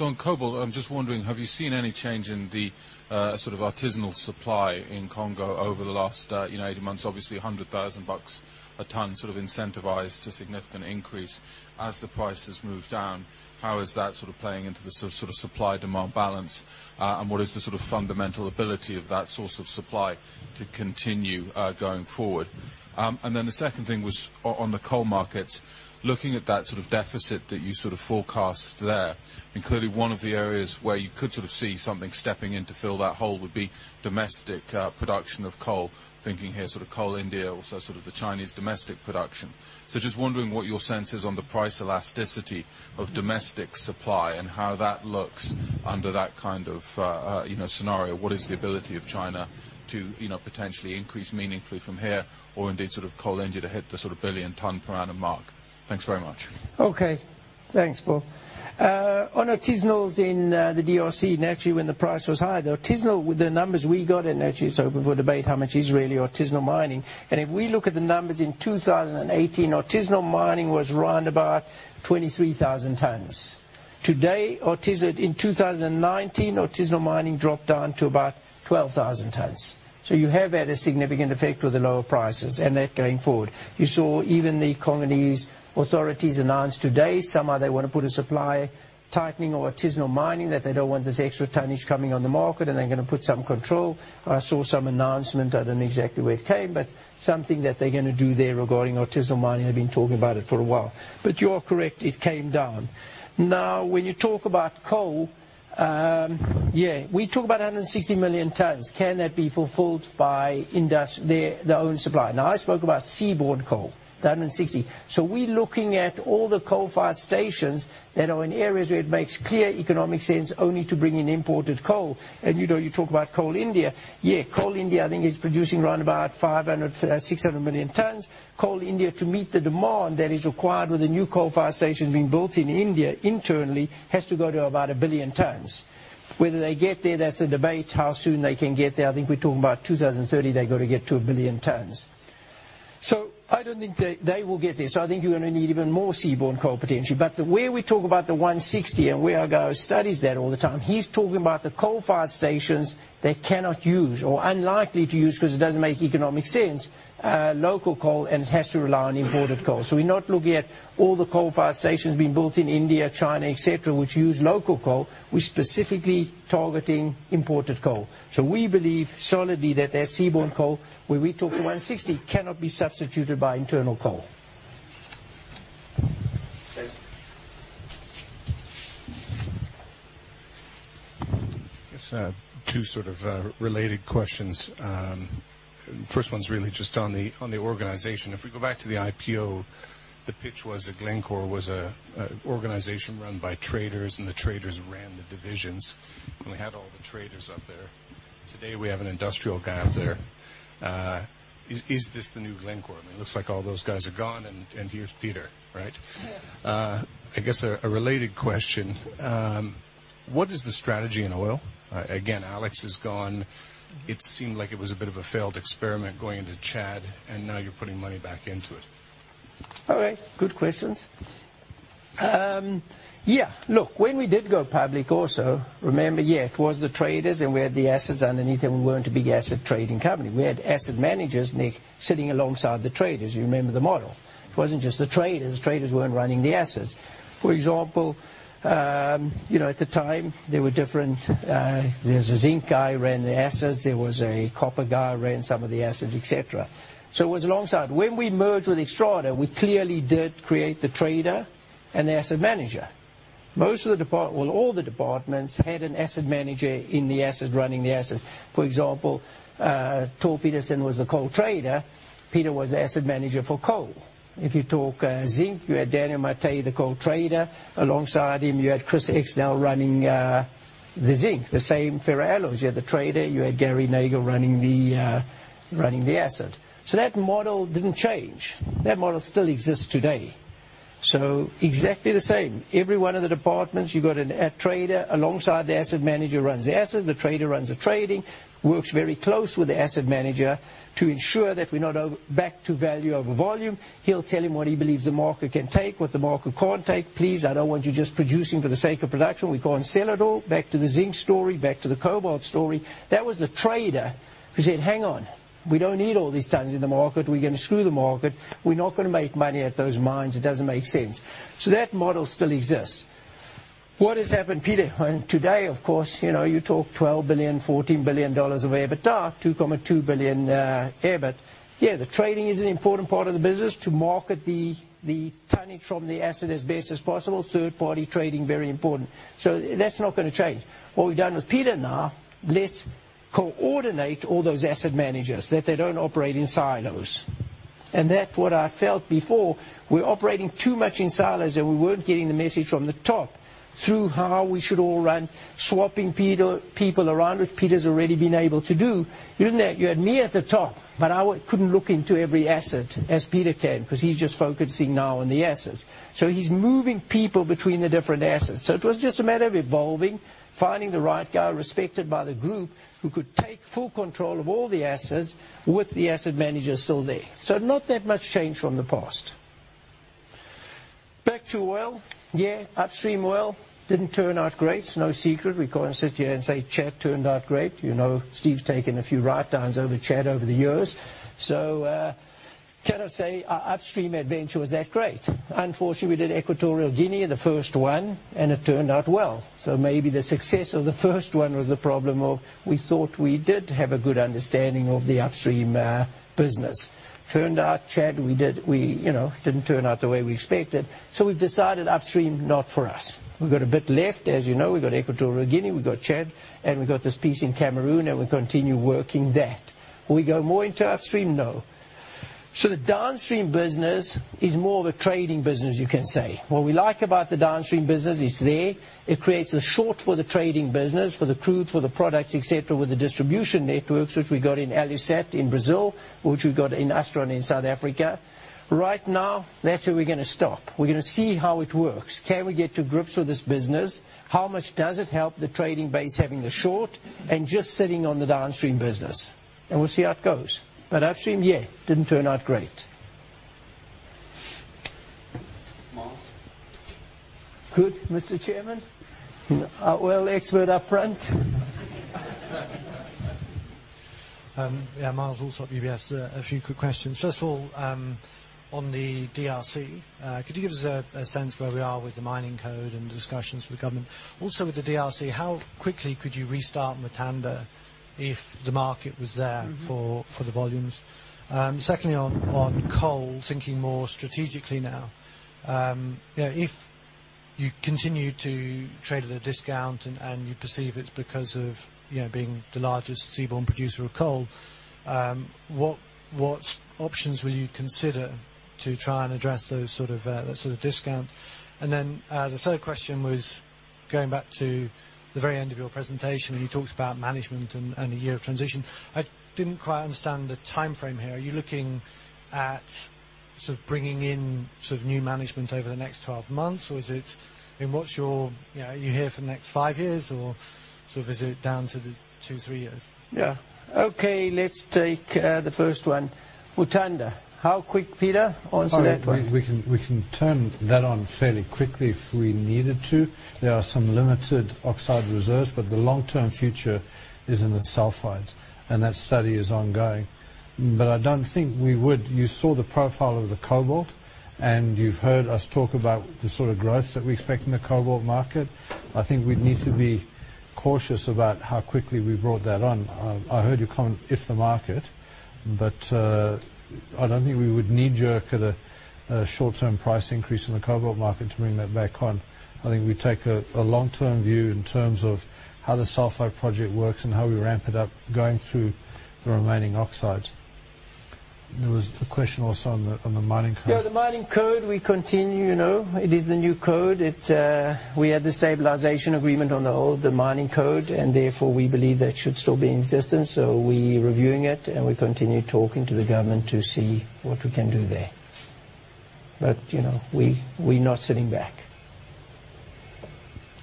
H: On cobalt, I'm just wondering, have you seen any change in the artisanal supply in Congo over the last 18 months? Obviously, $100,000 a ton sort of incentivized a significant increase as the price has moved down. How is that playing into the supply-demand balance, and what is the fundamental ability of that source of supply to continue going forward? The second thing was on the coal markets, looking at that deficit that you forecast there, and clearly one of the areas where you could see something stepping in to fill that hole would be domestic production of coal. Thinking here, Coal India, also the Chinese domestic production. Just wondering what your sense is on the price elasticity of domestic supply and how that looks under that kind of scenario? What is the ability of China to potentially increase meaningfully from here, or indeed Coal India to hit the billion ton per annum mark? Thanks very much.
B: Okay. Thanks, Paul. On artisanals in the DRC, naturally when the price was high, the numbers we got, and naturally it's open for debate how much is really artisanal mining. If we look at the numbers in 2018, artisanal mining was around about 23,000 tons. Today, in 2019, artisanal mining dropped down to about 12,000 tons. You have had a significant effect with the lower prices and that going forward. You saw even the Congolese authorities announce today, somehow they want to put a supply tightening on artisanal mining, that they don't want this extra tonnage coming on the market, and they're going to put some control. I saw some announcement, I don't know exactly where it came, but something that they're going to do there regarding artisanal mining. They've been talking about it for a while. You are correct, it came down. Now, when you talk about coal, we talk about 160 million tons. Can that be fulfilled by their own supply? Now I spoke about seaborne coal, the 160. So we looking at all the coal-fired stations, it makes clear economic sense only to bring in imported coal. You talk about Coal India. Yeah, Coal India, I think, is producing around about 500, six, seven million tons. Coal India, to meet the demand that is required with the new coal-fired stations being built in India internally, has to go to about 1 billion tons. Whether they get there, that's a debate, how soon they can get there. I think we're talking about 2030, they got to get to 1 billion tons. I don't think they will get there. I think you're going to need even more seaborne coal, potentially. Where we talk about the 160, and where GAO studies that all the time, he's talking about the coal-fired stations they cannot use or are unlikely to use because it doesn't make economic sense, local coal, and it has to rely on imported coal. We're not looking at all the coal-fired stations being built in India, China, et cetera, which use local coal. We're specifically targeting imported coal. We believe solidly that that seaborne coal, where we talk to 160, cannot be substituted by internal coal.
I: I guess two sort of related questions. First one's really just on the organization. If we go back to the IPO, the pitch was that Glencore was an organization run by traders and the traders ran the divisions, and we had all the traders up there. Today, we have an industrial guy up there. Is this the new Glencore? I mean, it looks like all those guys are gone and here's Peter, right? I guess a related question, what is the strategy in oil? Again, Alex is gone. It seemed like it was a bit of a failed experiment going into Chad, and now you're putting money back into it.
B: Good questions. Look, when we did go public also, remember, it was the traders and we had the assets underneath and we weren't a big asset trading company. We had asset managers, Nick, sitting alongside the traders. You remember the model. It wasn't just the traders. The traders weren't running the assets. For example, at the time, there was a zinc guy who ran the assets, there was a copper guy who ran some of the assets, et cetera. It was alongside. When we merged with Xstrata, we clearly did create the trader and the asset manager. Most of the department or all the departments had an asset manager in the asset running the assets. For example, Tor Peterson was the coal trader. Peter was the asset manager for coal. If you talk zinc, you had Daniel Maté, the coal trader. Alongside him, you had Chris Eskdale now running the zinc. The same for alloys. You had the trader, you had Gary Nagle running the asset. That model didn't change. That model still exists today. Exactly the same. Every one of the departments, you got a trader alongside the asset manager who runs the asset. The trader runs the trading, works very closely with the asset manager to ensure that we're not back to value over volume. He'll tell him what he believes the market can take, what the market can't take. Please, I don't want you just producing for the sake of production. We can't sell it all. Back to the zinc story, back to the cobalt story. That was the trader who said, "Hang on. We don't need all these tons in the market. We're going to screw the market. We're not going to make money at those mines. It doesn't make sense." That model still exists. What has happened, Peter? Today, of course, you talk $12 billion, $14 billion of EBITDA, $2.2 billion EBIT. Yeah, the trading is an important part of the business to market the tonnage from the asset as best as possible. Third-party trading, very important. That's not going to change. What we've done with Peter now, let's coordinate all those asset managers that they don't operate in silos. That what I felt before, we were operating too much in silos and we weren't getting the message from the top through how we should all run, swapping people around, which Peter's already been able to do. You had me at the top, but I couldn't look into every asset as Peter can because he's just focusing now on the assets. He's moving people between the different assets. It was just a matter of evolving, finding the right guy respected by the group who could take full control of all the assets with the asset manager still there. Not that much change from the past. Back to oil. Yeah, upstream oil didn't turn out great. It's no secret. We can't sit here and say Chad turned out great. Steve's taken a few write-downs over Chad over the years. Cannot say our upstream adventure was that great. Unfortunately, we did Equatorial Guinea, the first one, and it turned out well. Maybe the success of the first one was the problem of we thought we did have a good understanding of the upstream business. Turned out Chad, it didn't turn out the way we expected. We decided upstream, not for us. We've got a bit left. As you know, we've got Equatorial Guinea, we've got Chad, and we've got this piece in Cameroon. We continue working that. Will we go more into upstream? No. The downstream business is more of a trading business, you can say. What we like about the downstream business, it's there. It creates a short for the trading business, for the crude, for the products, et cetera, with the distribution networks, which we got in Alesat in Brazil, which we've got in Astron in South Africa. Right now, that's where we're going to stop. We're going to see how it works. Can we get to grips with this business? How much does it help the trading base having the short and just sitting on the downstream business? We'll see how it goes. Upstream, yeah, didn't turn out great.
A: Myles?
B: Good, Mr. Chairman. Our oil expert up front.
J: Yeah, Myles Allsop, UBS. A few quick questions. First of all, on the DRC, could you give us a sense where we are with the mining code and the discussions with the government? With the DRC, how quickly could you restart Mutanda if the market was there for the volumes? Secondly, on coal, thinking more strategically now. If you continue to trade at a discount and you perceive it's because of being the largest seaborne producer of coal, what options will you consider to try and address that sort of discount? The third question was going back to the very end of your presentation, when you talked about management and the year of transition. I didn't quite understand the timeframe here. Are you looking at bringing in new management over the next 12 months, or are you here for the next five years, or is it down to the two, three years?
B: Yeah. Okay, let's take the first one. Mutanda, how quick, Peter, answer that one?
C: We can turn that on fairly quickly if we needed to. There are some limited oxide reserves, but the long-term future is in the sulfides, and that study is ongoing. I don't think we would. You saw the profile of the cobalt, and you've heard us talk about the sort of growth that we expect in the cobalt market. I think we'd need to be cautious about how quickly we brought that on. I heard your comment, if the market, I don't think we would knee-jerk at a short-term price increase in the cobalt market to bring that back on. I think we take a long-term view in terms of how the sulfide project works and how we ramp it up going through the remaining oxides. There was a question also on the mining code.
B: Yeah, the mining code, we continue. It is the new code. We had the stabilization agreement on the old mining code, and therefore, we believe that should still be in existence, so we reviewing it, and we continue talking to the government to see what we can do there. We not sitting back.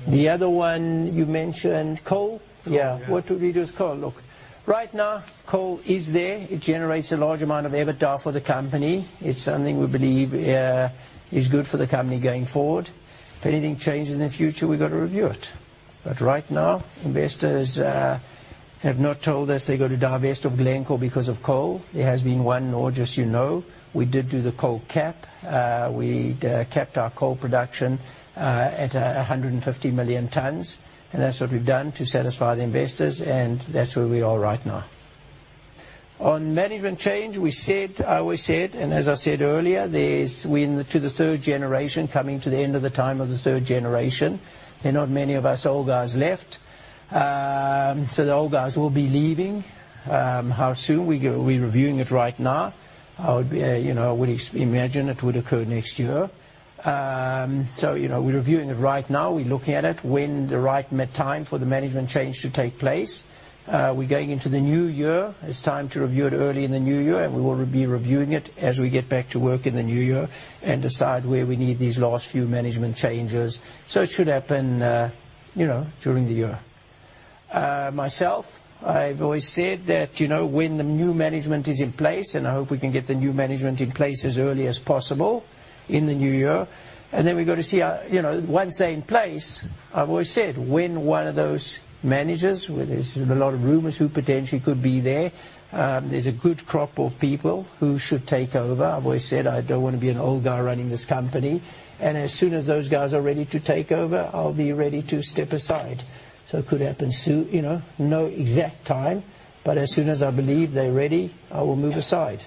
B: The other one you mentioned, coal?
J: Coal, yeah.
B: What do we do with coal? Look, right now, coal is there. It generates a large amount of EBITDA for the company. It's something we believe is good for the company going forward. If anything changes in the future, we've got to review it. Right now, investors have not told us they got to divest from Glencore because of coal. There has been one or just you know, we did do the coal cap. We capped our coal production at 150 million tons, and that's what we've done to satisfy the investors, and that's where we are right now. On management change, I always said, and as I said earlier, we into the third generation, coming to the end of the time of the third generation. There are not many of us old guys left. The old guys will be leaving. How soon? We are reviewing it right now. I would imagine it would occur next year. We're reviewing it right now. We're looking at it, when the right time for the management change to take place. We're going into the new year. It's time to review it early in the new year, and we will be reviewing it as we get back to work in the new year and decide where we need these last few management changes. It should happen during the year. Myself, I've always said that when the new management is in place, and I hope we can get the new management in place as early as possible in the new year, and then we've got to see once they're in place, I've always said, when one of those managers, there's a lot of rumors who potentially could be there's a good crop of people who should take over. I've always said I don't want to be an old guy running this company. As soon as those guys are ready to take over, I'll be ready to step aside. It could happen soon. No exact time, but as soon as I believe they're ready, I will move aside.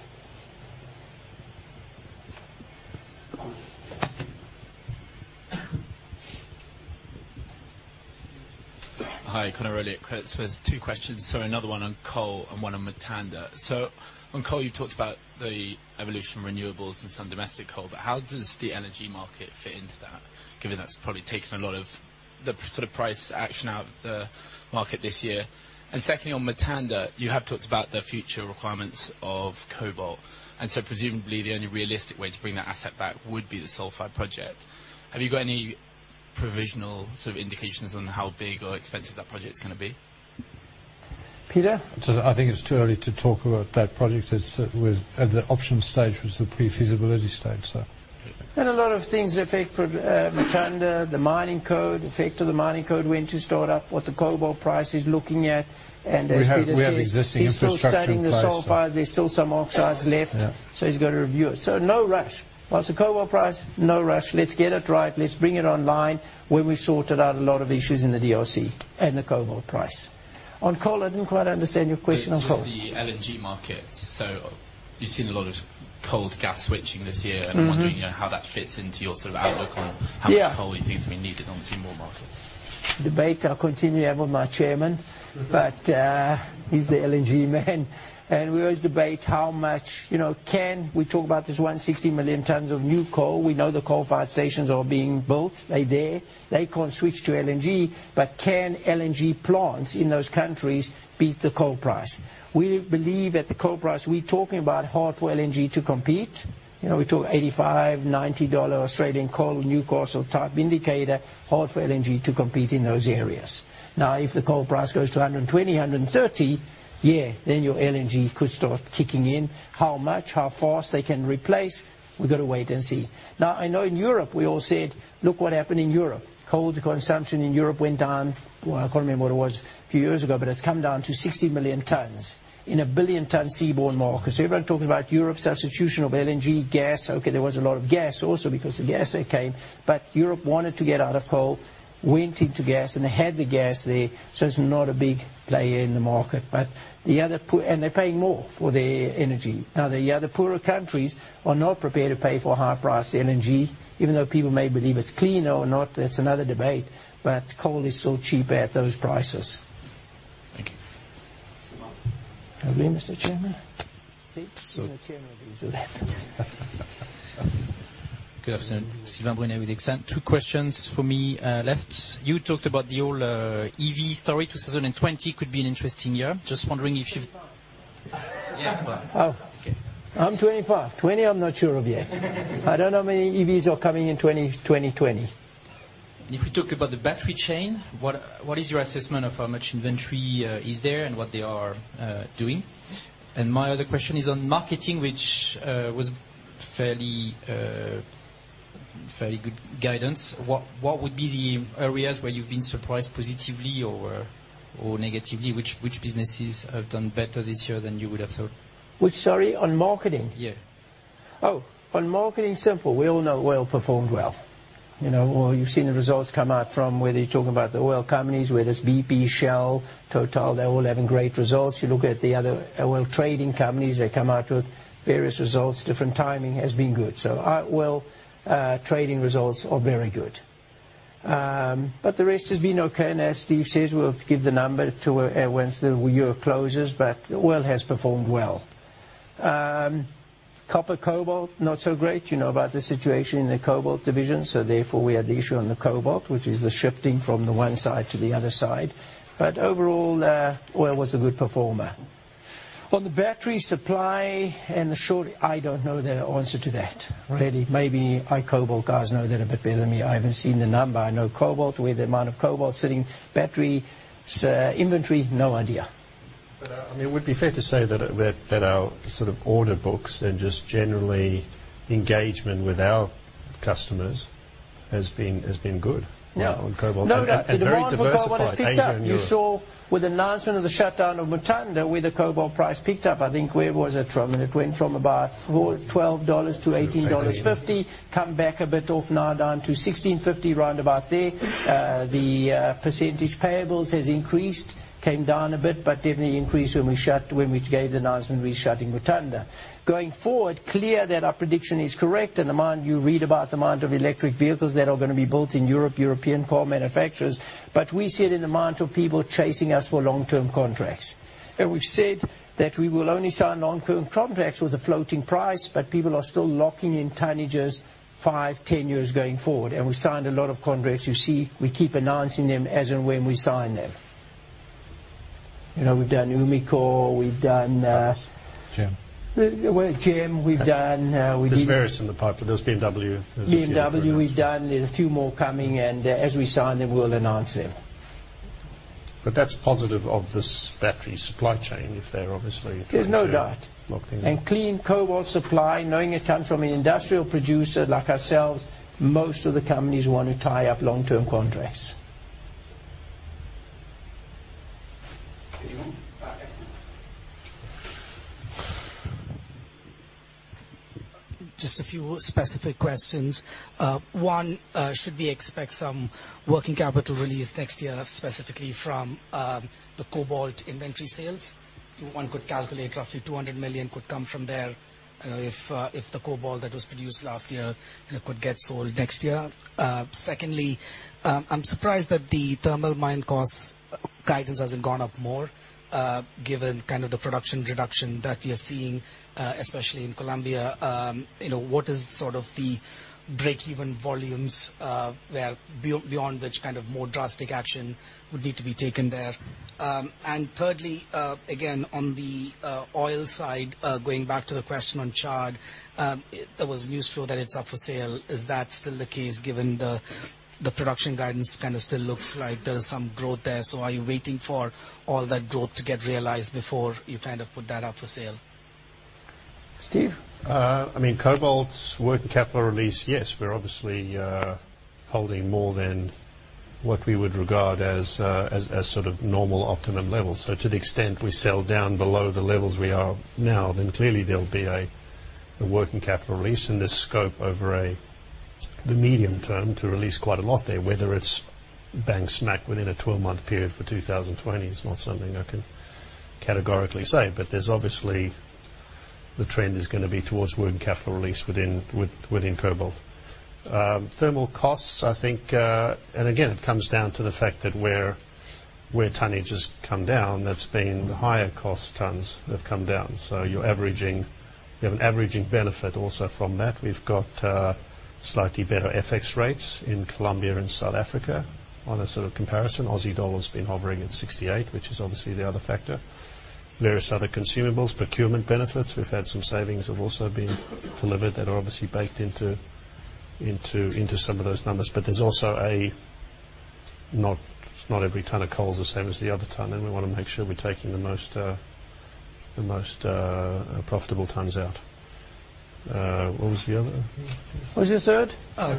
K: Hi, Conor Rowley at Credit Suisse. Two questions, so another one on coal and one on Mutanda. On coal, you talked about the evolution of renewables and some domestic coal, but how does the energy market fit into that, given that's probably taken a lot of the sort of price action out of the market this year? Secondly, on Mutanda, you have talked about the future requirements of cobalt, and so presumably the only realistic way to bring that asset back would be the sulfide project. Have you got any provisional sort of indications on how big or expensive that project's going to be?
B: Peter?
C: I think it's too early to talk about that project. At the option stage was the pre-feasibility stage.
B: A lot of things affect for Mutanda, the mining code, effect of the mining code, when to start up, what the cobalt price is looking at. As Peter says.
C: We have existing infrastructure in place
B: He's still studying the sulfides. There's still some oxides left.
C: Yeah.
B: He's got to review it. No rush. Whilst the cobalt price, no rush. Let's get it right. Let's bring it online when we've sorted out a lot of issues in the DRC and the cobalt price. On coal, I didn't quite understand your question on coal.
K: Just the LNG market. You've seen a lot of coal to gas switching this year. I'm wondering how that fits into your sort of outlook on.
B: Yeah
K: How much coal you think is going to be needed on the seaborne market?
B: Debate I'll continue to have with my chairman, but he's the LNG man. We always debate, we talk about this 160 million tons of new coal. We know the coal-fired stations are being built. They're there. They can't switch to LNG, but can LNG plants in those countries beat the coal price? We believe at the coal price, we're talking about hard for LNG to compete. We talk 85, 90 Australian dollars Australian coal, Newcastle type indicator, hard for LNG to compete in those areas. If the coal price goes to 120, 130, yeah, then your LNG could start kicking in. How much, how fast they can replace, we've got to wait and see. I know in Europe we all said, "Look what happened in Europe." Coal consumption in Europe went down, I can't remember what it was a few years ago, but it's come down to 60 million tonnes in a 1 billion tonne seaborne market. Everyone talks about Europe substitution of LNG gas. Okay, there was a lot of gas also because the gas came, but Europe wanted to get out of coal, went into gas, and they had the gas there, so it's not a big player in the market. The other-- and they're paying more for their energy. The other poorer countries are not prepared to pay for high-price LNG. Even though people may believe it's cleaner or not, that's another debate, but coal is still cheap at those prices.
L: Thank you.
B: Agree, Mr. Chairman? See, even the Chairman agrees with that.
L: Good afternoon. Sylvain Brunet with Exane. Two questions from me left. You talked about the whole EV story. 2020 could be an interesting year.
D: 25.
L: Yeah.
B: Oh. I'm 25. 20, I'm not sure of yet. I don't know how many EVs are coming in 2020.
L: If we talk about the battery chain, what is your assessment of how much inventory is there and what they are doing? My other question is on marketing, which was fairly good guidance. What would be the areas where you've been surprised positively or negatively? Which businesses have done better this year than you would have thought?
B: Which, sorry? On marketing?
L: Yeah.
B: On marketing, simple. We all know oil performed well. You've seen the results come out from, whether you're talking about the oil companies, whether it's BP, Shell, Total, they're all having great results. You look at the other oil trading companies, they come out with various results. Different timing has been good. Our oil trading results are very good. The rest has been okay, and as Steve says, we'll give the number to when the year closes, but oil has performed well. Copper, cobalt, not so great. You know about the situation in the cobalt division, therefore, we had the issue on the cobalt, which is the shifting from the one side to the other side. Overall, oil was a good performer. On the battery supply and the short, I don't know the answer to that really. Maybe our cobalt guys know that a bit better than me. I haven't seen the number. I know cobalt, where the amount of cobalt sitting, battery inventory, no idea.
D: I mean, would it be fair to say that our sort of order books and just generally engagement with our customers has been good now on cobalt?
B: No doubt.
D: Very diversified, Asia and Europe.
B: The demand for cobalt has picked up. You saw with the announcement of the shutdown of Mutanda, where the cobalt price picked up, I think, where was it from? It went from about $12-$18.50.
D: Exactly.
B: Come back a bit off now down to $16.50, roundabout there. The percentage payables has increased, came down a bit, but definitely increased when we gave the announcement we're shutting Mutanda. Going forward, clear that our prediction is correct, and the amount you read about the amount of electric vehicles that are going to be built in Europe, European car manufacturers, but we see it in the amount of people chasing us for long-term contracts. We've said that we will only sign long-term contracts with a floating price, but people are still locking in tonnages five, 10 years going forward. We've signed a lot of contracts. You see, we keep announcing them as and when we sign them. We've done Umicore, we've done.
D: GEM
B: Well, GEM, we've done-
D: There's various in the pipe, but there's BMW. There's a few others.
B: BMW we've done. There's a few more coming, and as we sign them, we'll announce them.
D: That's positive of this battery supply chain.
B: There's no doubt.
D: lock things up.
B: Clean cobalt supply, knowing it comes from an industrial producer like ourselves, most of the companies want to tie up long-term contracts.
A: Anyone?
I: Just a few specific questions. One, should we expect some working capital release next year, specifically from the cobalt inventory sales? One could calculate roughly $200 million could come from there if the cobalt that was produced last year could get sold next year. Secondly, I'm surprised that the thermal mine cost guidance hasn't gone up more, given kind of the production reduction that we are seeing, especially in Colombia. What is sort of the break-even volumes there, beyond which kind of more drastic action would need to be taken there? Thirdly, again, on the oil side, going back to the question on Chad, there was news flow that it's up for sale. Is that still the case given the production guidance kind of still looks like there's some growth there? Are you waiting for all that growth to get realized before you kind of put that up for sale?
B: Steve?
D: I mean, cobalt working capital release, yes. We're obviously holding more than what we would regard as sort of normal optimum levels. To the extent we sell down below the levels we are now, then clearly there'll be a working capital release and there's scope over the medium term to release quite a lot there. Whether it's bang smack within a 12-month period for 2020 is not something I can categorically say. There's obviously the trend is going to be towards working capital release within cobalt. Thermal costs, I think, and again, it comes down to the fact that where tonnages come down, that's been the higher cost tonnes that have come down. You have an averaging benefit also from that. We've got slightly better FX rates in Colombia and South Africa on a sort of comparison. AUD's been hovering at 68, which is obviously the other factor. Various other consumables, procurement benefits. We've had some savings have also been delivered that are obviously baked into some of those numbers. There's also a, not every tonne of coal is the same as the other tonne, and we want to make sure we're taking the most profitable tonnes out. What was the other?
B: What was your third?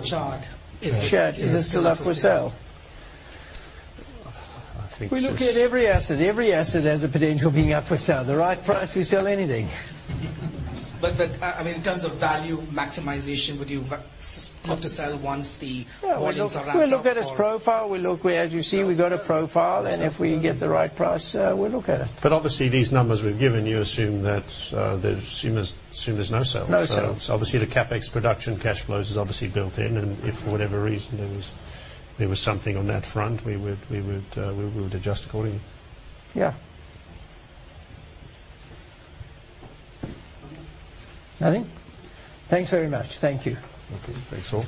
I: Chad.
B: Chad. Is it still up for sale?
D: I think the s-
B: We look at every asset. Every asset has a potential of being up for sale. At the right price, we sell anything.
I: I mean, in terms of value maximization, would you look to sell once the volumes are ramped up?
B: Yeah, we look at its profile. As you see, we've got a profile, and if we get the right price, we look at it.
D: Obviously, these numbers we've given you assume there's no sale.
B: No sale.
D: Obviously the CapEx production cash flows is obviously built in, and if for whatever reason there was something on that front, we would adjust accordingly.
B: Yeah. Nothing? Thanks very much. Thank you.
D: Okay. Thanks all.